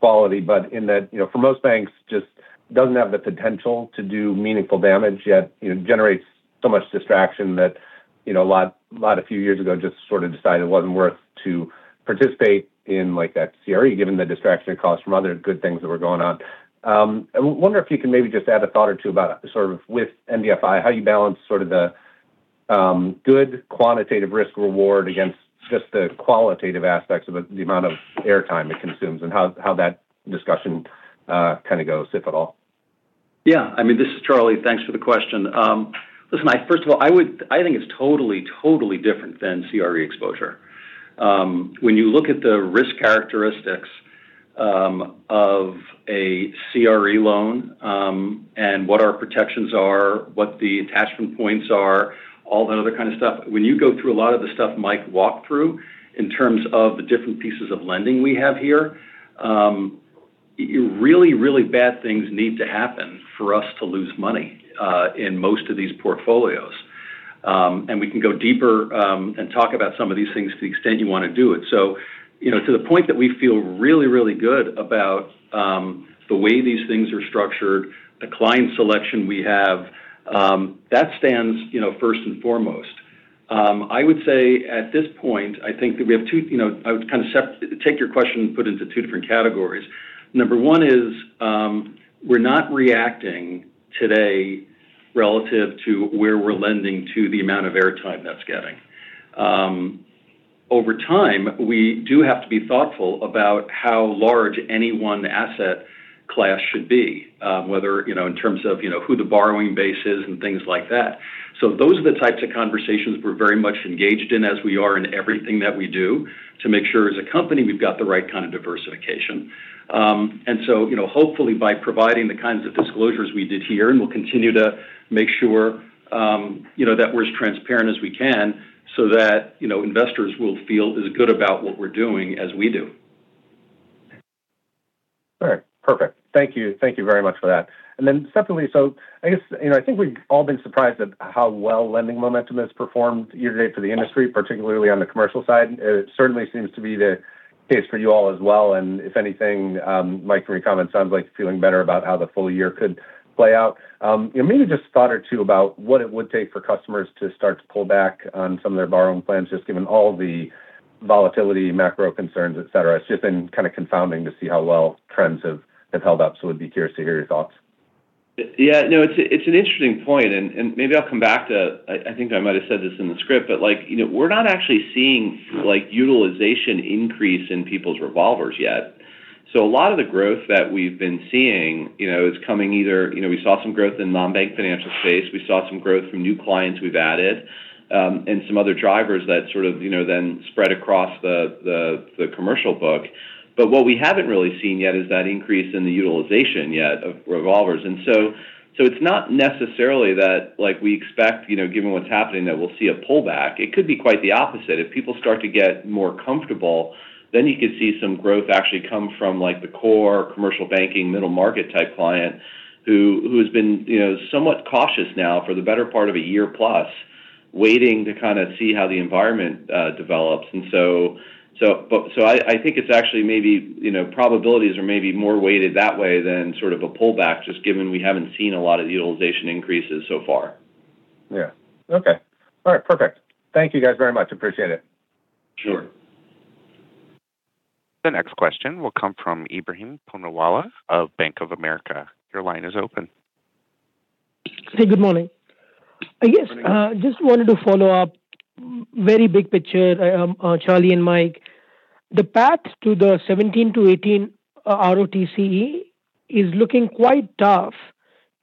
quality, but in that, for most banks, just doesn't have the potential to do meaningful damage yet. It generates so much distraction that a few years ago just sort of decided it wasn't worth to participate in that CRE, given the distraction and costs from other good things that were going on. I wonder if you can maybe just add a thought or two about sort of with NBFI, how you balance sort of the good quantitative risk-reward against just the qualitative aspects of it, the amount of airtime it consumes, and how that discussion kind of goes, if at all? Yeah. I mean, this is Charlie. Thanks for the question. Listen, first of all, I think it's totally different than CRE exposure when you look at the risk characteristics of a CRE loan, and what our protections are, what the attachment points are, all that other kind of stuff. When you go through a lot of the stuff Mike walked through in terms of the different pieces of lending we have here, really bad things need to happen for us to lose money in most of these portfolios. We can go deeper and talk about some of these things to the extent you want to do it. To the point that we feel really good about the way these things are structured, the client selection we have, that stands first and foremost. I would say, at this point, I would kind of take your question and put it into two different categories. Number one is we're not reacting today relative to where we're lending to the amount of air time that's getting. Over time, we do have to be thoughtful about how large any one asset class should be, whether in terms of who the borrowing base is and things like that. Those are the types of conversations we're very much engaged in as we are in everything that we do to make sure as a company we've got the right kind of diversification. Hopefully by providing the kinds of disclosures we did here, and we'll continue to make sure that we're as transparent as we can so that investors will feel as good about what we're doing as we do. All right. Perfect. Thank you very much for that. Secondly, I guess, I think we've all been surprised at how well lending momentum has performed year to date for the industry, particularly on the commercial side. It certainly seems to be the case for you all as well, and if anything, Mike, from your comment, sounds like feeling better about how the full year could play out. Maybe just a thought or two about what it would take for customers to start to pull back on some of their borrowing plans, just given all the volatility, macro concerns, et cetera. It's just been kind of confounding to see how well trends have held up, so would be curious to hear your thoughts. Yeah. No, it's an interesting point. I think I might've said this in the script, but we're not actually seeing utilization increase in people's revolvers yet. A lot of the growth that we've been seeing is coming either, we saw some growth in non-bank financial space, we saw some growth from new clients we've added, and some other drivers that sort of then spread across the commercial book. What we haven't really seen yet is that increase in the utilization yet of revolvers. It's not necessarily that we expect, given what's happening, that we'll see a pullback. It could be quite the opposite. If people start to get more comfortable, then you could see some growth actually come from the core Commercial Banking middle-market type client who has been somewhat cautious now for the better part of a year+, waiting to kind of see how the environment develops. I think it's actually maybe probabilities are maybe more weighted that way than sort of a pullback, just given we haven't seen a lot of utilization increases so far. Yeah. Okay. All right, perfect. Thank you guys very much. Appreciate it. Sure. The next question will come from Ebrahim Poonawala of Bank of America. Your line is open. Hey, good morning. Morning. I guess, just wanted to follow up. Very big picture, Charlie and Mike. The path to the 17%-18% ROTCE is looking quite tough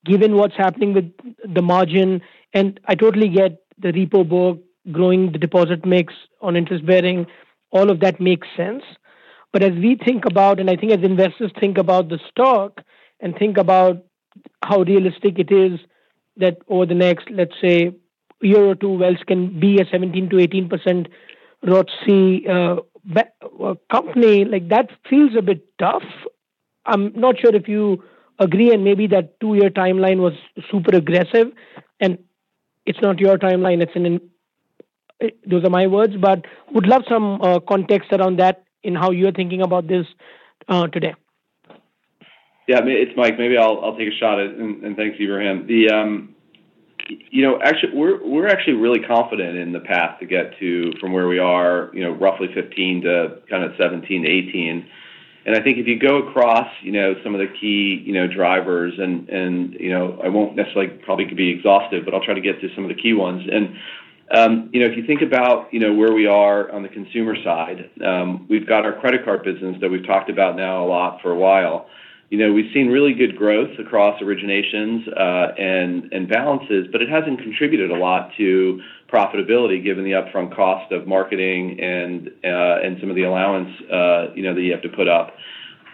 given what's happening with the margin. I totally get the repo book growing the deposit mix on interest-bearing. All of that makes sense. As we think about, and I think as investors think about the stock and think about how realistic it is that over the next, let's say, year or two, Wells can be a 17%-18% ROTCE company. That feels a bit tough. I'm not sure if you agree, and maybe that two-year timeline was super aggressive, and it's not your timeline. Those are my words. Would love some context around that in how you're thinking about this today. Yeah. It's Mike. Maybe I'll take a shot at it. And thanks, Ebrahim. We're actually really confident in the path to get to from where we are, roughly 15 to kind of 17, 18. And I think if you go across some of the key drivers, and I won't necessarily probably be exhaustive, but I'll try to get to some of the key ones. And if you think about where we are on the consumer side, we've got our credit card business that we've talked about now a lot for a while. We've seen really good growth across originations and balances, but it hasn't contributed a lot to profitability, given the upfront cost of marketing and some of the allowance that you have to put up.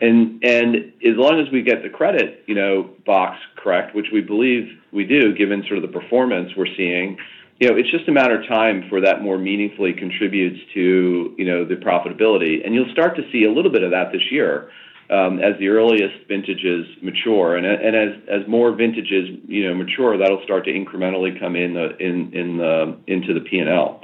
As long as we get the credit box correct, which we believe we do, given sort of the performance we're seeing, it's just a matter of time before that more meaningfully contributes to the profitability. You'll start to see a little bit of that this year as the earliest vintages mature. As more vintages mature, that'll start to incrementally come into the P&L.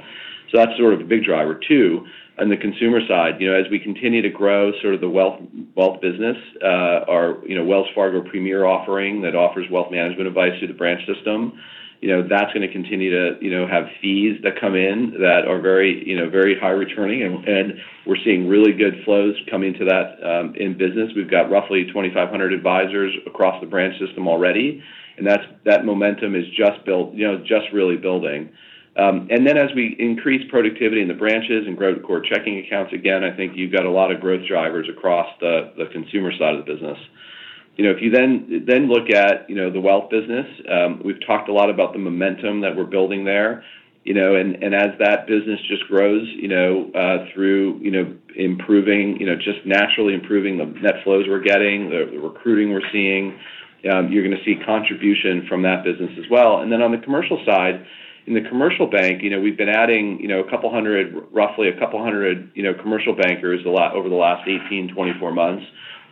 That's sort of a big driver. Two, on the consumer side, as we continue to grow sort of the wealth business, our Wells Fargo Premier offering that offers wealth management advice through the branch system, that's going to continue to have fees that come in that are very high returning, and we're seeing really good flows coming to that in business. We've got roughly 2,500 advisors across the branch system already, and that momentum is just really building. As we increase productivity in the branches and grow core checking accounts, again, I think you've got a lot of growth drivers across the consumer side of the business. If you then look at the wealth business, we've talked a lot about the momentum that we're building there. As that business just grows through just naturally improving the net flows we're getting, the recruiting we're seeing, you're going to see contribution from that business as well. On the commercial side, in the Commercial Bank, we've been adding roughly a couple hundred commercial bankers over the last 18-24 months.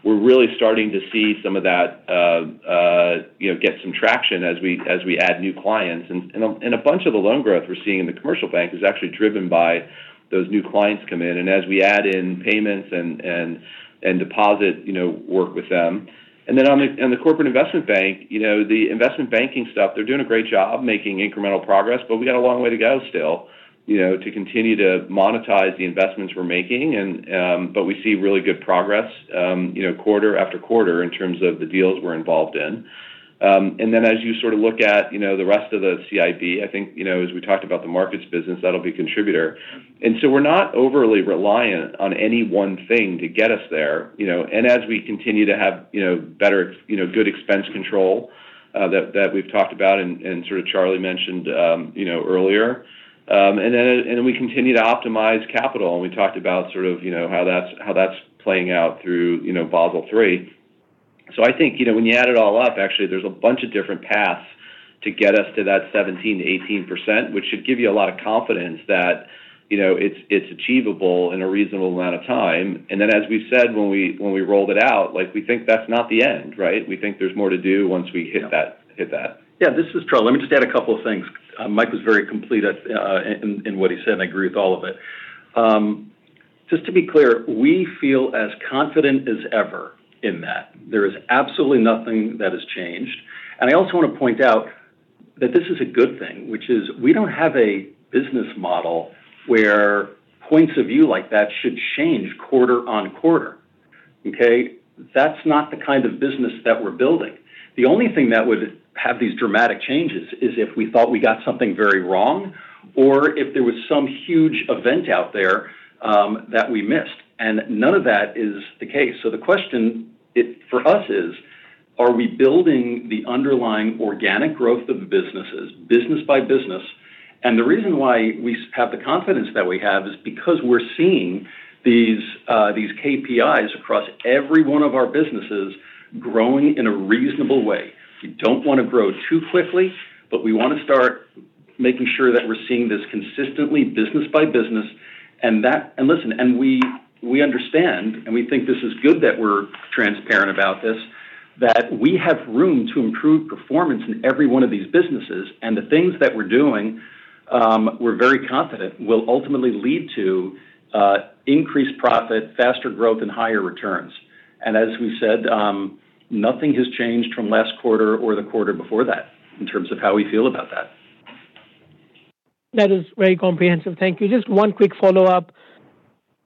We're really starting to see some of that get some traction as we add new clients. A bunch of the loan growth we're seeing in the Commercial Bank is actually driven by those new clients come in, and as we add in payments and deposit work with them. On the Corporate & Investment Bank, the Investment Banking stuff, they're doing a great job making incremental progress, but we got a long way to go still to continue to monetize the investments we're making, but we see really good progress quarter-after-quarter in terms of the deals we're involved in. As you sort of look at the rest of the CIB, I think as we talked about the Markets business, that'll be a contributor. We're not overly reliant on any one thing to get us there, as we continue to have good expense control that we've talked about, and sort of Charlie mentioned earlier. We continue to optimize capital, and we talked about sort of how that's playing out through Basel III. I think when you add it all up, actually, there's a bunch of different paths to get us to that 17%-18%, which should give you a lot of confidence that it's achievable in a reasonable amount of time. As we've said when we rolled it out, we think that's not the end, right? We think there's more to do once we hit that. Yeah. This is Charlie. Let me just add a couple of things. Mike was very complete in what he said, and I agree with all of it. Just to be clear, we feel as confident as ever in that. There is absolutely nothing that has changed. I also want to point out that this is a good thing, which is we don't have a business model where points of view like that should change quarter-on-quarter. Okay? That's not the kind of business that we're building. The only thing that would have these dramatic changes is if we thought we got something very wrong or if there was some huge event out there that we missed, and none of that is the case. The question for us is, are we building the underlying organic growth of the businesses, business by business? The reason why we have the confidence that we have is because we're seeing these KPIs across every one of our businesses growing in a reasonable way. We don't want to grow too quickly, but we want to start making sure that we're seeing this consistently business by business. Listen, we understand, and we think this is good that we're transparent about this, that we have room to improve performance in every one of these businesses. The things that we're doing, we're very confident will ultimately lead to increased profit, faster growth, and higher returns. As we've said, nothing has changed from last quarter or the quarter before that in terms of how we feel about that. That is very comprehensive. Thank you. Just one quick follow-up.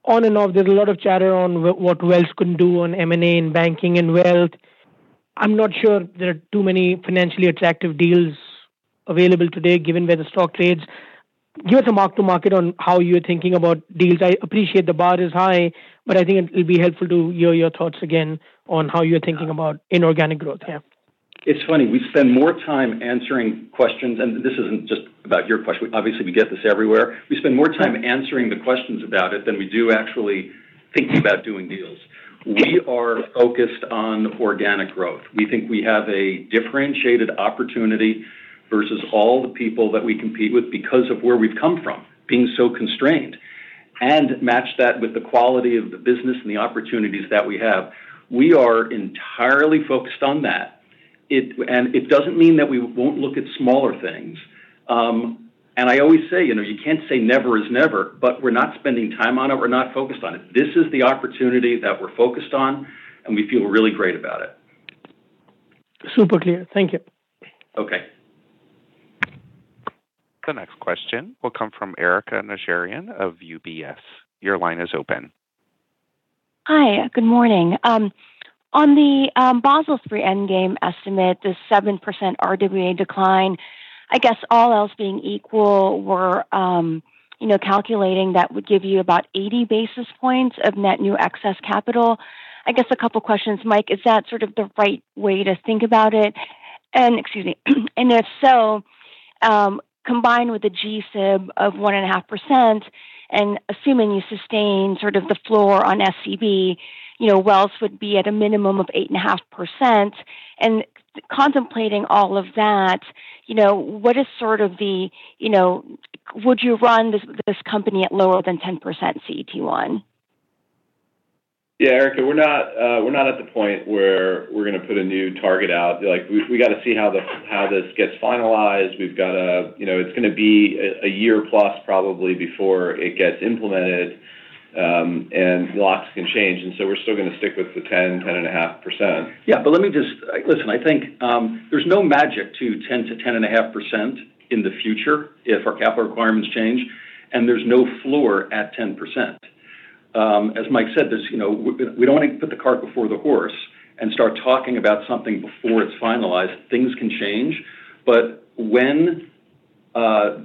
On and off, there's a lot of chatter on what Wells can do on M&A and banking and wealth. I'm not sure there are too many financially attractive deals available today given where the stock trades. Give us a mark-to-market on how you're thinking about deals. I appreciate the bar is high, but I think it'll be helpful to hear your thoughts again on how you're thinking about inorganic growth. Yeah. It's funny, we spend more time answering questions, and this isn't just about your question. Obviously, we get this everywhere. We spend more time answering the questions about it than we do actually. Thinking about doing deals, we are focused on organic growth. We think we have a differentiated opportunity versus all the people that we compete with because of where we've come from, being so constrained, and match that with the quality of the business and the opportunities that we have. We are entirely focused on that. It doesn't mean that we won't look at smaller things. I always say, you can't say never is never, but we're not spending time on it. We're not focused on it. This is the opportunity that we're focused on, and we feel really great about it. Super clear. Thank you. Okay. The next question will come from Erika Najarian of UBS. Your line is open. Hi. Good morning. On the Basel III endgame estimate, the 7% RWA decline, I guess all else being equal, we're calculating that would give you about 80 basis points of net new excess capital. I guess a couple of questions, Mike. Is that sort of the right way to think about it? Excuse me, if so, combined with the GSIB of 1.5%, and assuming you sustain sort of the floor on SCB, Wells would be at a minimum of 8.5%. Contemplating all of that, would you run this company at lower than 10% CET1? Yeah, Erika, we're not at the point where we're going to put a new target out. We've got to see how this gets finalized. It's going to be a year plus probably before it gets implemented, and lots can change. And so we're still going to stick with the 10 and a half percent. Yeah. Listen, I think there's no magic to 10%-10.5% in the future if our capital requirements change, and there's no floor at 10%. As Mike said, we don't want to put the cart before the horse and start talking about something before it's finalized. Things can change. When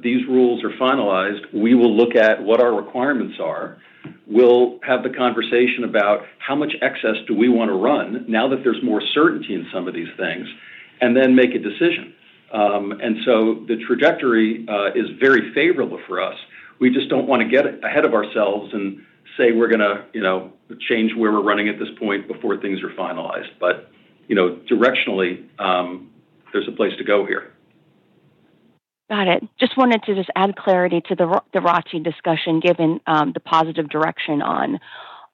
these rules are finalized, we will look at what our requirements are. We'll have the conversation about how much excess do we want to run now that there's more certainty in some of these things, and then make a decision. The trajectory is very favorable for us. We just don't want to get ahead of ourselves and say we're going to change where we're running at this point before things are finalized. Directionally, there's a place to go here. Got it. I just wanted to just add clarity to the ROTCE discussion, given the positive direction on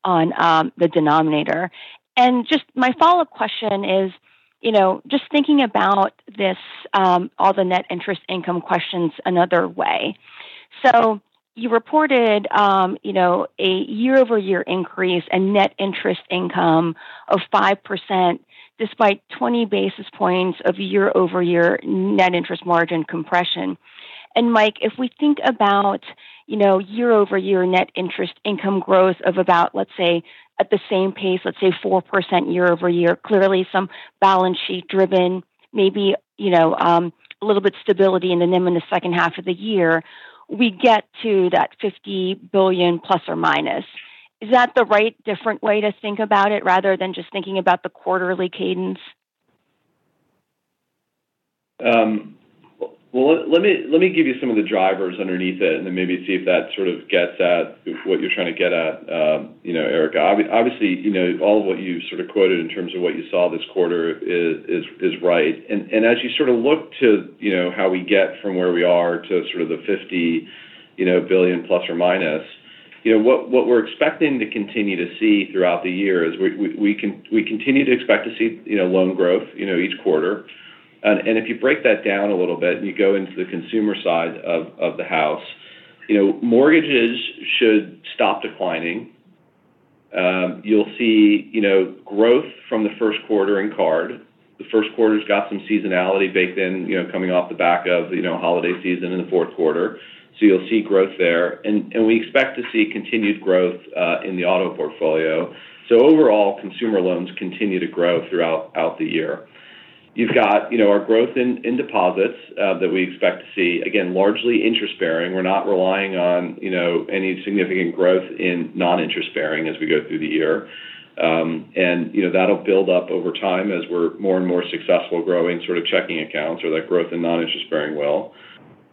the denominator. Just my follow-up question is, just thinking about this, all the net interest income questions another way. You reported a year-over-year increase in net interest income of 5%, despite 20 basis points of year-over-year net interest margin compression. Mike, if we think about year-over-year net interest income growth of about, let's say, at the same pace, let's say 4% year-over-year, clearly some balance sheet driven, maybe a little bit of stability in the NIM in the second half of the year, we get to that $50 billion ±. Is that the right different way to think about it rather than just thinking about the quarterly cadence? Well, let me give you some of the drivers underneath it and then maybe see if that sort of gets at what you're trying to get at, Erika. Obviously, all of what you sort of quoted in terms of what you saw this quarter is right. As you sort of look to how we get from where we are to sort of the $50 billion ±, what we're expecting to continue to see throughout the year is we continue to expect to see loan growth each quarter. If you break that down a little bit and you go into the consumer side of the house, mortgages should stop declining. You'll see growth from the first quarter in card. The first quarter's got some seasonality baked in coming off the back of holiday season in the fourth quarter. You'll see growth there. We expect to see continued growth in the auto portfolio. Overall, consumer loans continue to grow throughout the year. You've got our growth in deposits that we expect to see, again, largely interest-bearing. We're not relying on any significant growth in non-interest-bearing as we go through the year. That'll build up over time as we're more and more successful growing sort of checking accounts or that growth in non-interest-bearing well. The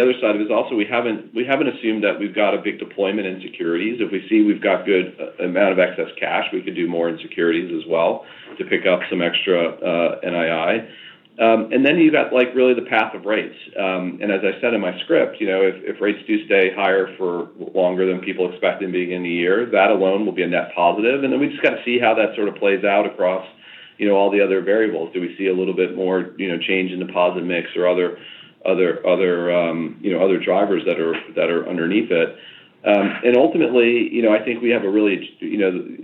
other side of it is also we haven't assumed that we've got a big deployment in securities. If we see we've got good amount of excess cash, we could do more in securities as well to pick up some extra NII. You got really the path of rates. As I said in my script, if rates do stay higher for longer than people expect in the beginning of the year, that alone will be a net positive. We just got to see how that sort of plays out across all the other variables. Do we see a little bit more change in deposit mix or other drivers that are underneath it? Ultimately, I think we have a really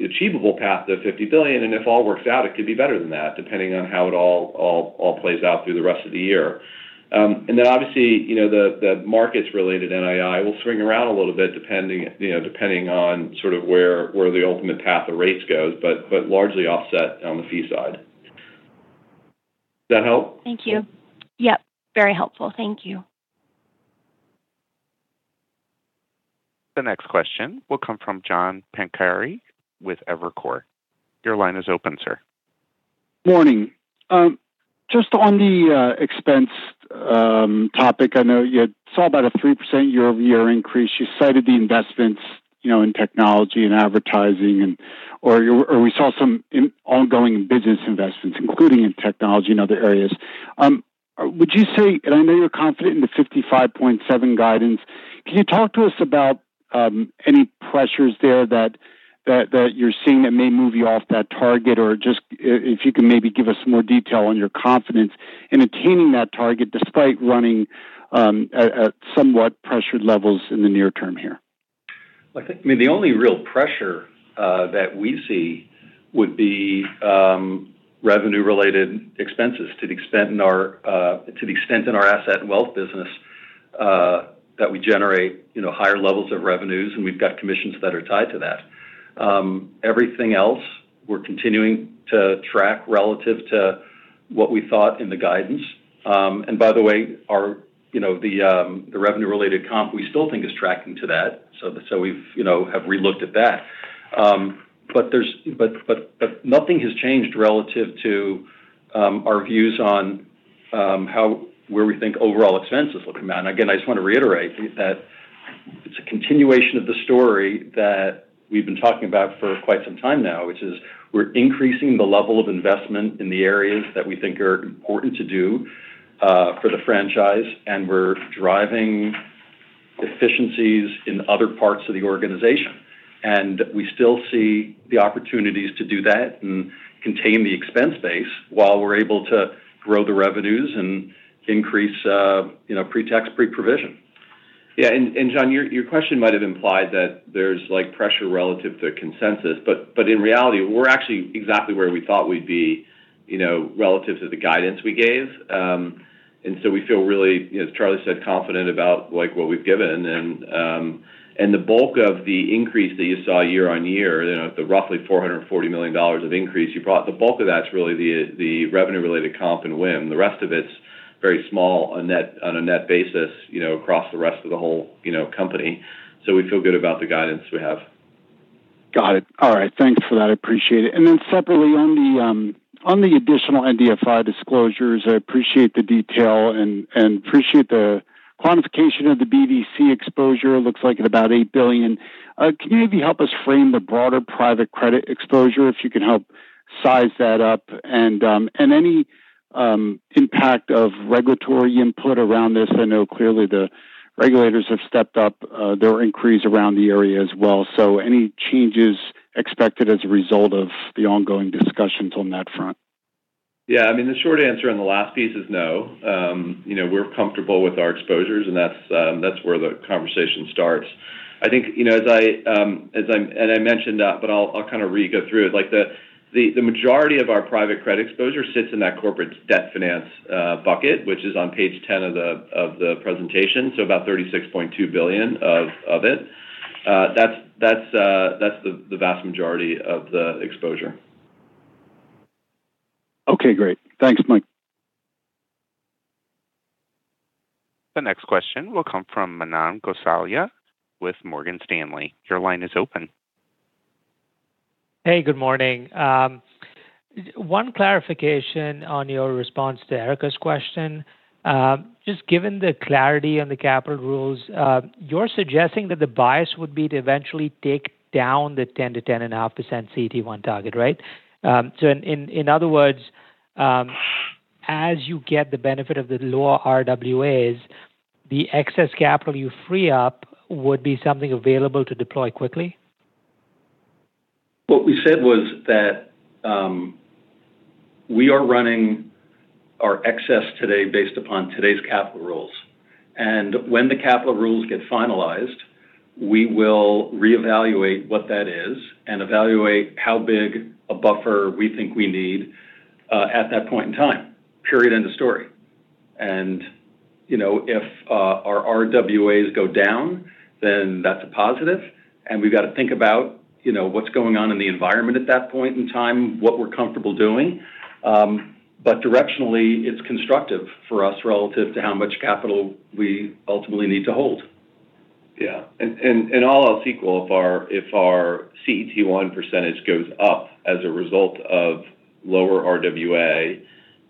achievable path to $50 billion, and if all works out, it could be better than that, depending on how it all plays out through the rest of the year. Obviously the markets related NII will swing around a little bit depending on sort of where the ultimate path of rates goes, but largely offset on the fee side. Does that help? Thank you. Yep, very helpful. Thank you. The next question will come from John Pancari with Evercore. Your line is open, sir. morning. Just on the expense topic, I know you saw about a 3% year-over-year increase. You cited the investments in technology and advertising, or we saw some ongoing business investments, including in technology and other areas. Would you say, and I know you're confident in the $55.7 guidance, can you talk to us about any pressures there that you're seeing that may move you off that target? Just if you can maybe give us some more detail on your confidence in attaining that target despite running at somewhat pressured levels in the near term here. I think the only real pressure that we see would be revenue-related expenses to the extent in our asset and wealth business that we generate higher levels of revenues, and we've got commissions that are tied to that. Everything else, we're continuing to track relative to what we thought in the guidance. By the way, the revenue-related comp we still think is tracking to that. We have re-looked at that. Nothing has changed relative to our views on where we think overall expense is looking at. Again, I just want to reiterate that it's a continuation of the story that we've been talking about for quite some time now, which is we're increasing the level of investment in the areas that we think are important to do for the franchise, and we're driving efficiencies in other parts of the organization. We still see the opportunities to do that and contain the expense base while we're able to grow the revenues and increase pre-tax, pre-provision. Yeah. John, your question might have implied that there's pressure relative to consensus, but in reality, we're actually exactly where we thought we'd be relative to the guidance we gave. We feel really, as Charlie said, confident about what we've given. The bulk of the increase that you saw year-over-year, the roughly $440 million of increase you brought, the bulk of that's really the revenue-related comp and WIM. The rest of it's very small on a net basis across the rest of the whole company. We feel good about the guidance we have. Got it. All right. Thanks for that. Appreciate it. Separately on the additional NBFI disclosures, I appreciate the detail and appreciate the quantification of the BDC exposure. It looks like at about $8 billion. Can you maybe help us frame the broader private credit exposure, if you can help size that up, and any impact of regulatory input around this? I know clearly the regulators have stepped up their inquiries around the area as well. Any changes expected as a result of the ongoing discussions on that front? Yeah. The short answer on the last piece is no. We're comfortable with our exposures, and that's where the conversation starts. I think, and I mentioned that, but I'll kind of re-go through it. The majority of our private credit exposure sits in that corporate debt finance bucket, which is on page 10 of the presentation, about $36.2 billion of it. That's the vast majority of the exposure. Okay, great. Thanks, Mike. The next question will come from Manan Gosalia with Morgan Stanley. Your line is open. Hey, good morning. One clarification on your response to Erika's question. Just given the clarity on the capital rules, you're suggesting that the bias would be to eventually take down the 10%-10.5% CET1 target, right? In other words, as you get the benefit of the lower RWAs, the excess capital you free up would be something available to deploy quickly? What we said was that we are running our excess today based upon today's capital rules. When the capital rules get finalized, we will reevaluate what that is and evaluate how big a buffer we think we need at that point in time. Period, end of story. If our RWAs go down, then that's a positive, and we've got to think about what's going on in the environment at that point in time, what we're comfortable doing. Directionally, it's constructive for us relative to how much capital we ultimately need to hold. Yeah. All else equal, if our CET1 % goes up as a result of lower RWA,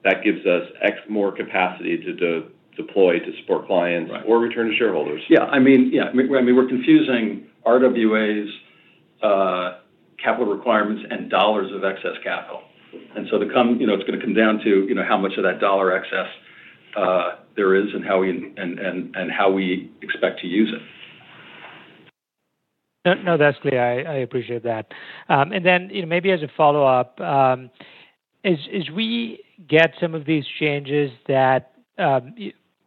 that gives us X more capacity to deploy to support clients or return to shareholders. Yeah. We're confusing RWAs, capital requirements, and dollars of excess capital. It's going to come down to how much of that dollar excess there is and how we expect to use it. No, that's clear. I appreciate that. Maybe as a follow-up, as we get some of these changes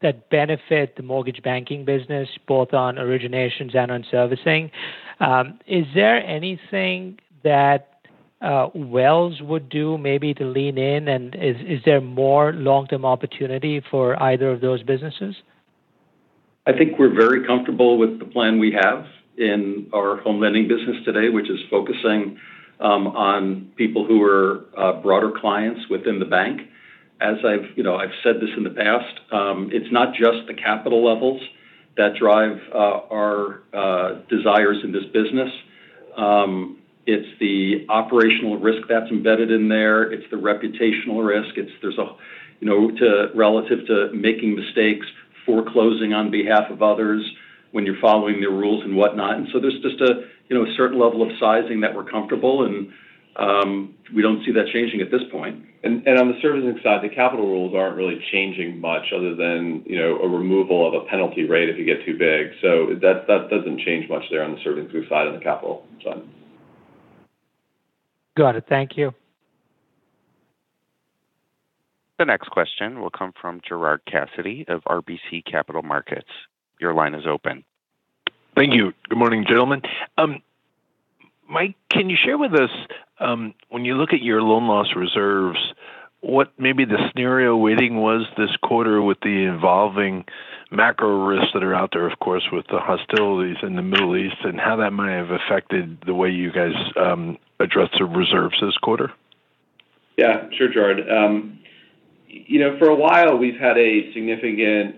that benefit the mortgage banking business both on originations and on servicing, is there anything that Wells would do maybe to lean in? Is there more long-term opportunity for either of those businesses? I think we're very comfortable with the plan we have in our home lending business today, which is focusing on people who are broader clients within the bank. As I've said this in the past, it's not just the capital levels that drive our desires in this business. It's the operational risk that's embedded in there. It's the reputational risk. There's relative to making mistakes, foreclosing on behalf of others when you're following their rules and whatnot. There's just a certain level of sizing that we're comfortable, and we don't see that changing at this point. On the servicing side, the capital rules aren't really changing much other than a removal of a penalty rate if you get too big. That doesn't change much there on the servicing side, on the capital side. Got it. Thank you. The next question will come from Gerard Cassidy of RBC Capital Markets. Your line is open. Thank you. Good morning, gentlemen. Mike, can you share with us, when you look at your loan loss reserves, what maybe the scenario weighting was this quarter with the evolving macro risks that are out there, of course, with the hostilities in the Middle East, and how that might have affected the way you guys addressed the reserves this quarter? Yeah, sure, Gerard. For a while, we've had a significant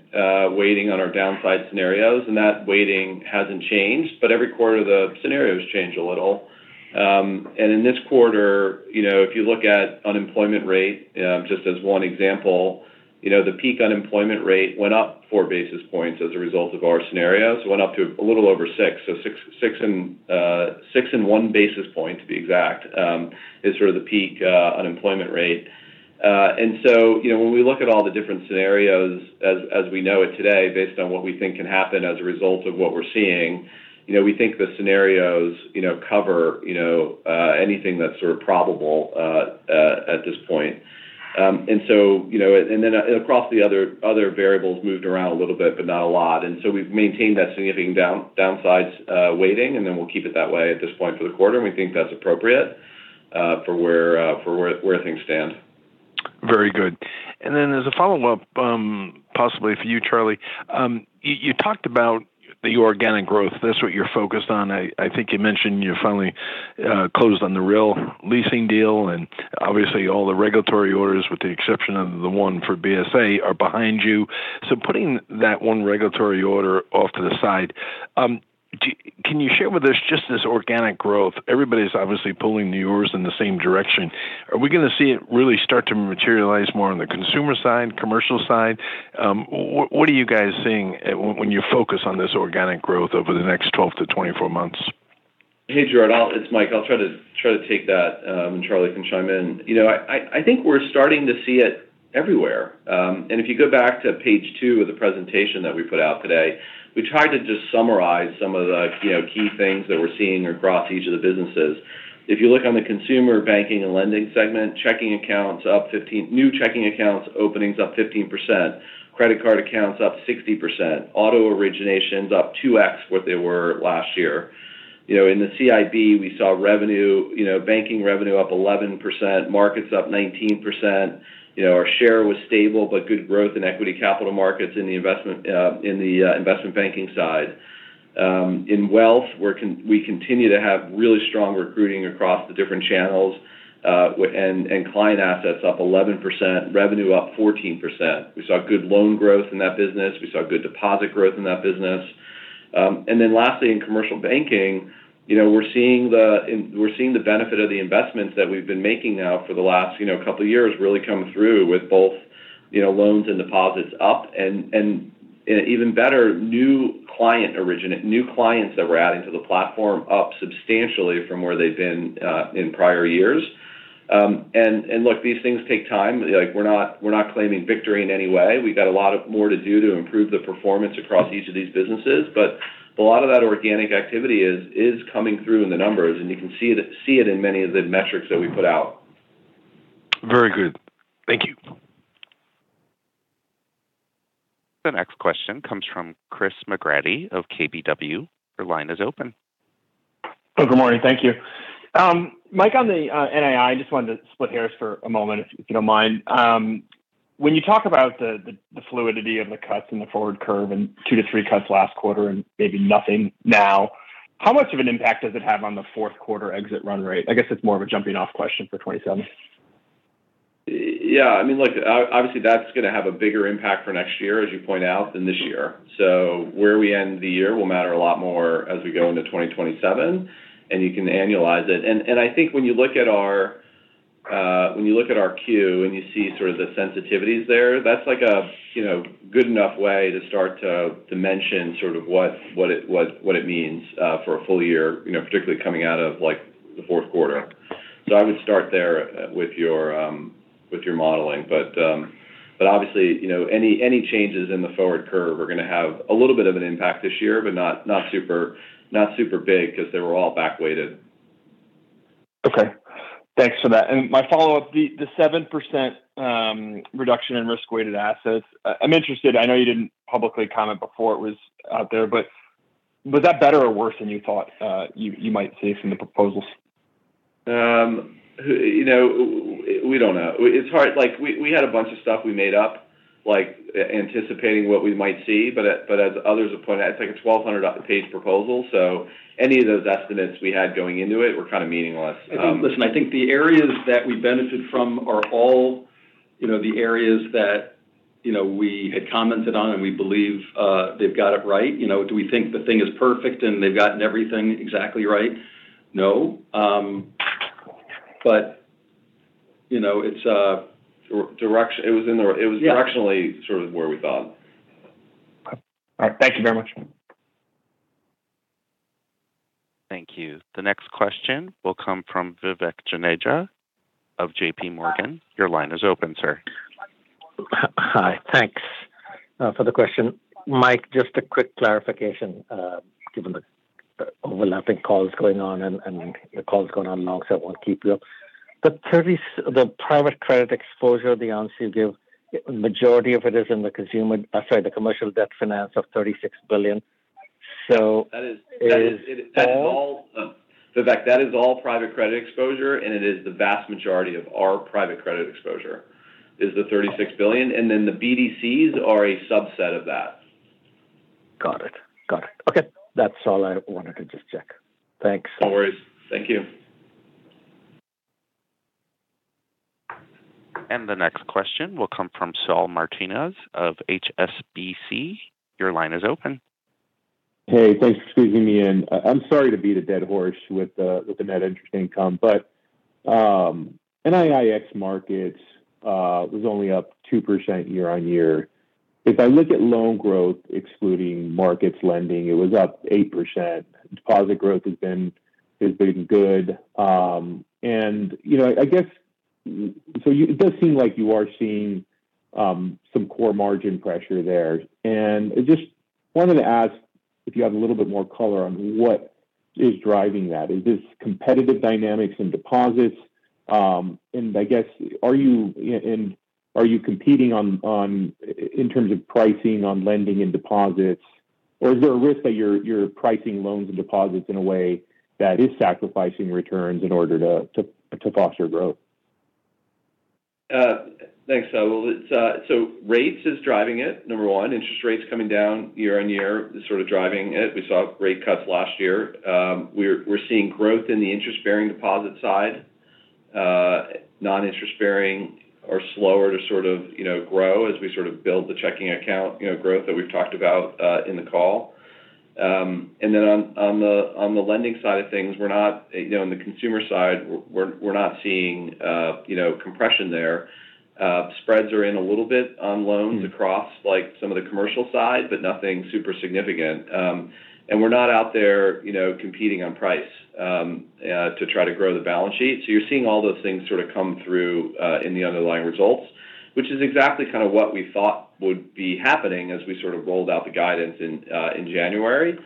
weighting on our downside scenarios, and that weighting hasn't changed. Every quarter, the scenarios change a little. In this quarter, if you look at unemployment rate, just as one example, the peak unemployment rate went up four basis points as a result of our scenarios. It went up to a little over six. Six and one basis point, to be exact, is sort of the peak unemployment rate. When we look at all the different scenarios as we know it today based on what we think can happen as a result of what we're seeing, we think the scenarios cover anything that's sort of probable at this point. Across the other variables moved around a little bit, but not a lot. We've maintained that significant downside weighting, and then we'll keep it that way at this point for the quarter, and we think that's appropriate for where things stand. Very good. As a follow-up, possibly for you, Charlie, you talked about the organic growth. That's what you're focused on. I think you mentioned you finally closed on the railcar leasing deal, and obviously all the regulatory orders, with the exception of the one for BSA, are behind you. Putting that one regulatory order off to the side, can you share with us just this organic growth? Everybody's obviously pulling the oars in the same direction. Are we going to see it really start to materialize more on the consumer side, commercial side? What are you guys seeing when you focus on this organic growth over the next 12-24 months? Hey, Gerard, it's Mike. I'll try to take that, and Charlie can chime in. I think we're starting to see it everywhere. If you go back to page 2 of the presentation that we put out today, we tried to just summarize some of the key things that we're seeing across each of the businesses. If you look on the Consumer Banking and Lending segment, new checking accounts openings up 15%, credit card accounts up 60%, auto originations up 2x what they were last year. In the CIB, we saw Banking revenue up 11%, Markets up 19%. Our share was stable, but good growth in Equity Capital Markets in the Investment Banking side. In Wealth, we continue to have really strong recruiting across the different channels, and client assets up 11%, revenue up 14%. We saw good loan growth in that business. We saw good deposit growth in that business. Lastly, in Commercial Banking, we're seeing the benefit of the investments that we've been making now for the last couple of years really come through with both loans and deposits up and even better, new clients that we're adding to the platform up substantially from where they've been in prior years. Look, these things take time. We're not claiming victory in any way. We've got a lot more to do to improve the performance across each of these businesses. A lot of that organic activity is coming through in the numbers, and you can see it in many of the metrics that we put out. Very good. Thank you. The next question comes from Christopher McGratty of KBW. Your line is open. Good morning. Thank you. Mike, on the NII, I just wanted to split hairs for a moment, if you don't mind. When you talk about the fluidity of the cuts in the forward curve and two to three cuts last quarter and maybe nothing now, how much of an impact does it have on the fourth quarter exit run rate? I guess it's more of a jumping-off question for 2027. Yeah, I mean, look, obviously that's going to have a bigger impact for next year, as you point out, than this year. Where we end the year will matter a lot more as we go into 2027, and you can annualize it. I think when you look at our Q and you see sort of the sensitivities there, that's a good enough way to start to mention sort of what it means for a full year, particularly coming out of the fourth quarter. I would start there with your modeling. Obviously, any changes in the forward curve are going to have a little bit of an impact this year, but not super big because they were all back-weighted. Okay. Thanks for that. My follow-up, the 7% reduction in risk-weighted assets. I'm interested, I know you didn't publicly comment before it was out there, but was that better or worse than you thought you might see from the proposals? We don't know. We had a bunch of stuff we made up like anticipating what we might see. As others have pointed out, it's like a 1,200-page proposal. Any of those estimates we had going into it were kind of meaningless. Listen, I think the areas that we benefit from are all the areas that we had commented on, and we believe they've got it right. Do we think the thing is perfect and they've gotten everything exactly right? No. It was directionally sort of where we thought. All right. Thank you very much. Thank you. The next question will come from Vivek Juneja of JPMorgan. Your line is open, sir. Hi. Thanks for the question. Mike, just a quick clarification, given the overlapping calls going on and the call's going on long, so I won't keep you up. The private credit exposure, the answer you give, majority of it is in the commercial debt finance of $36 billion. Vivek, that is all private credit exposure. The vast majority of our private credit exposure is the $36 billion. The BDCs are a subset of that. Got it. Okay. That's all I wanted to just check. Thanks. No worries. Thank you. The next question will come from Saul Martinez of HSBC. Your line is open. Hey, thanks for squeezing me in. I'm sorry to beat a dead horse with the net interest income, but NII ex-markets was only up 2% year-on-year. If I look at loan growth excluding markets lending, it was up 8%. Deposit growth has been good. I guess it does seem like you are seeing some core margin pressure there. I just wanted to ask if you have a little bit more color on what is driving that. Is this competitive dynamics in deposits? I guess, are you competing in terms of pricing on lending and deposits, or is there a risk that you're pricing loans and deposits in a way that is sacrificing returns in order to foster growth? Thanks, Saul. So rates is driving it. Number one, interest rates coming down year on year is sort of driving it. We saw rate cuts last year. We're seeing growth in the interest-bearing deposit side. Non-interest-bearing are slower to sort of grow as we sort of build the checking account growth that we've talked about in the call. And then on the lending side of things, on the consumer side, we're not seeing compression there. Spreads are in a little bit on loans across some of the commercial side, but nothing super significant. And we're not out there competing on price to try to grow the balance sheet. So you're seeing all those things sort of come through in the underlying results, which is exactly kind of what we thought would be happening as we sort of rolled out the guidance in January.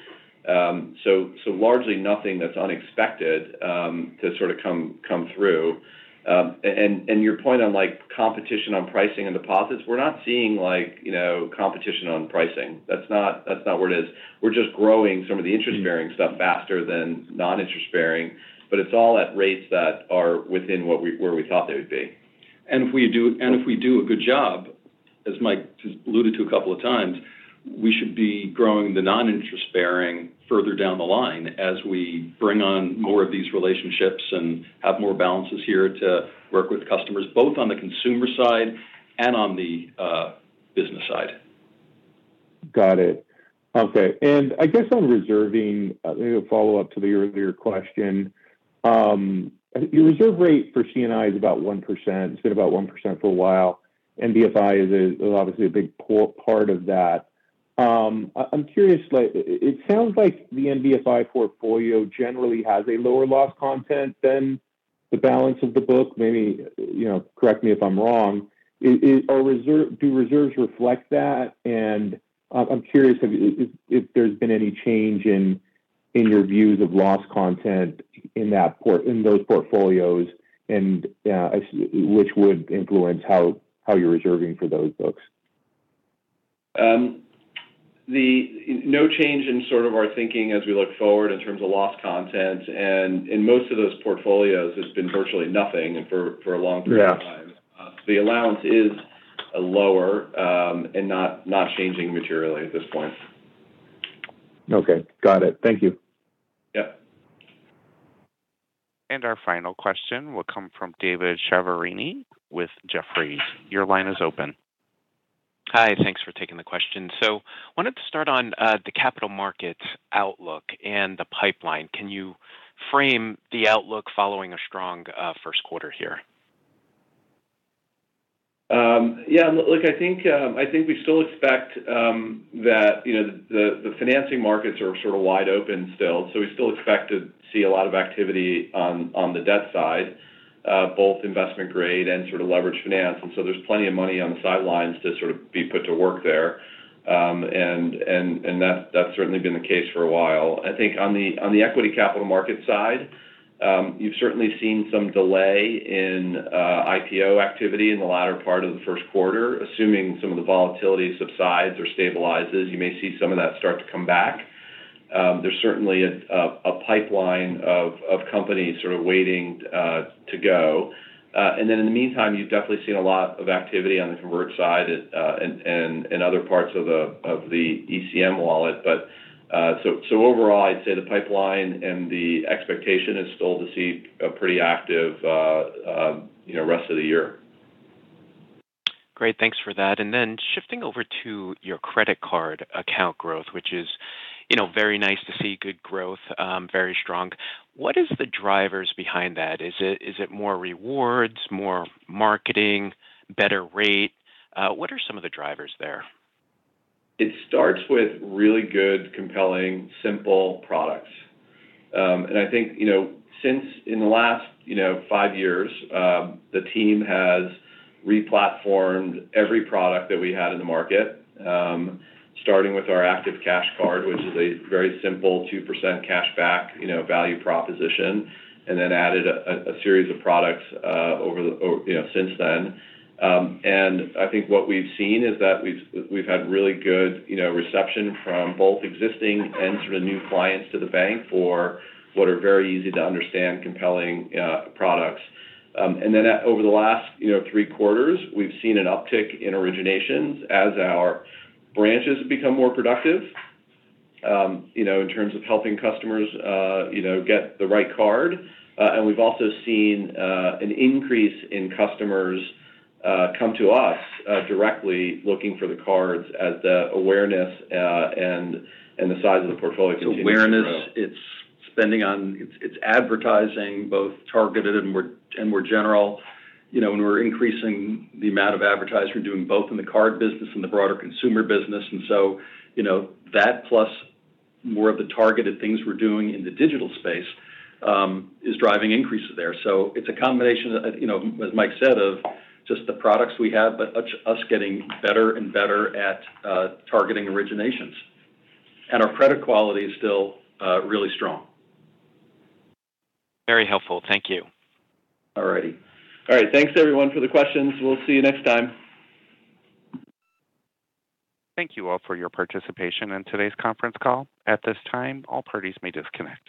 Largely nothing that's unexpected to sort of come through. Your point on competition on pricing and deposits, we're not seeing competition on pricing. That's not where it is. We're just growing some of the interest-bearing stuff faster than non-interest-bearing, but it's all at rates that are within where we thought they would be. If we do a good job, as Mike just alluded to a couple of times, we should be growing the noninterest-bearing further down the line as we bring on more of these relationships and have more balances here to work with customers, both on the consumer side and on the business side. Got it. Okay. I guess on reserving, maybe a follow-up to the earlier question. Your reserve rate for C&I is about 1%. It's been about 1% for a while. NBFI is obviously a big part of that. I'm curious, it sounds like the NBFI portfolio generally has a lower loss content than the balance of the book. Maybe correct me if I'm wrong. Do reserves reflect that? I'm curious if there's been any change in your views of loss content in those portfolios which would influence how you're reserving for those books. No change in sort of our thinking as we look forward in terms of loss content, and in most of those portfolios, it's been virtually nothing for a long period of time. Yeah. The allowance is lower and not changing materially at this point. Okay. Got it. Thank you. Yep. Our final question will come from David Chiaverini with Jefferies. Your line is open. Hi. Thanks for taking the question. I wanted to start on the capital markets outlook and the pipeline. Can you frame the outlook following a strong first quarter here? Yeah, look, I think we still expect that the financing markets are sort of wide open still. We still expect to see a lot of activity on the debt side, both investment grade and sort of leverage finance. There's plenty of money on the sidelines to sort of be put to work there, and that's certainly been the case for a while. I think on the equity capital market side, you've certainly seen some delay in IPO activity in the latter part of the first quarter. Assuming some of the volatility subsides or stabilizes, you may see some of that start to come back. There's certainly a pipeline of companies sort of waiting to go. In the meantime, you've definitely seen a lot of activity on the convert side and other parts of the ECM wallet. Overall, I'd say the pipeline and the expectation is still to see a pretty active rest of the year. Great, thanks for that. Shifting over to your credit card account growth, which is very nice to see good growth, very strong. What is the drivers behind that? Is it more rewards, more marketing, better rate? What are some of the drivers there? It starts with really good, compelling, simple products. I think since in the last five years, the team has re-platformed every product that we had in the market, starting with our Active Cash Card, which is a very simple 2% cashback value proposition, and then added a series of products since then. I think what we've seen is that we've had really good reception from both existing and sort of new clients to the bank for what are very easy to understand, compelling products. Over the last three quarters, we've seen an uptick in originations as our branches become more productive in terms of helping customers get the right card. We've also seen an increase in customers come to us directly looking for the cards as the awareness and the size of the portfolio continues to grow. It's awareness, it's spending on advertising, both targeted and more general. We're increasing the amount of advertising we're doing both in the card business and the broader consumer business. That plus more of the targeted things we're doing in the digital space is driving increases there. It's a combination, as Mike said, of just the products we have, but us getting better and better at targeting originations. Our credit quality is still really strong. Very helpful. Thank you. All right. All right. Thanks everyone for the questions. We'll see you next time. Thank you all for your participation in today's conference call. At this time, all parties may disconnect.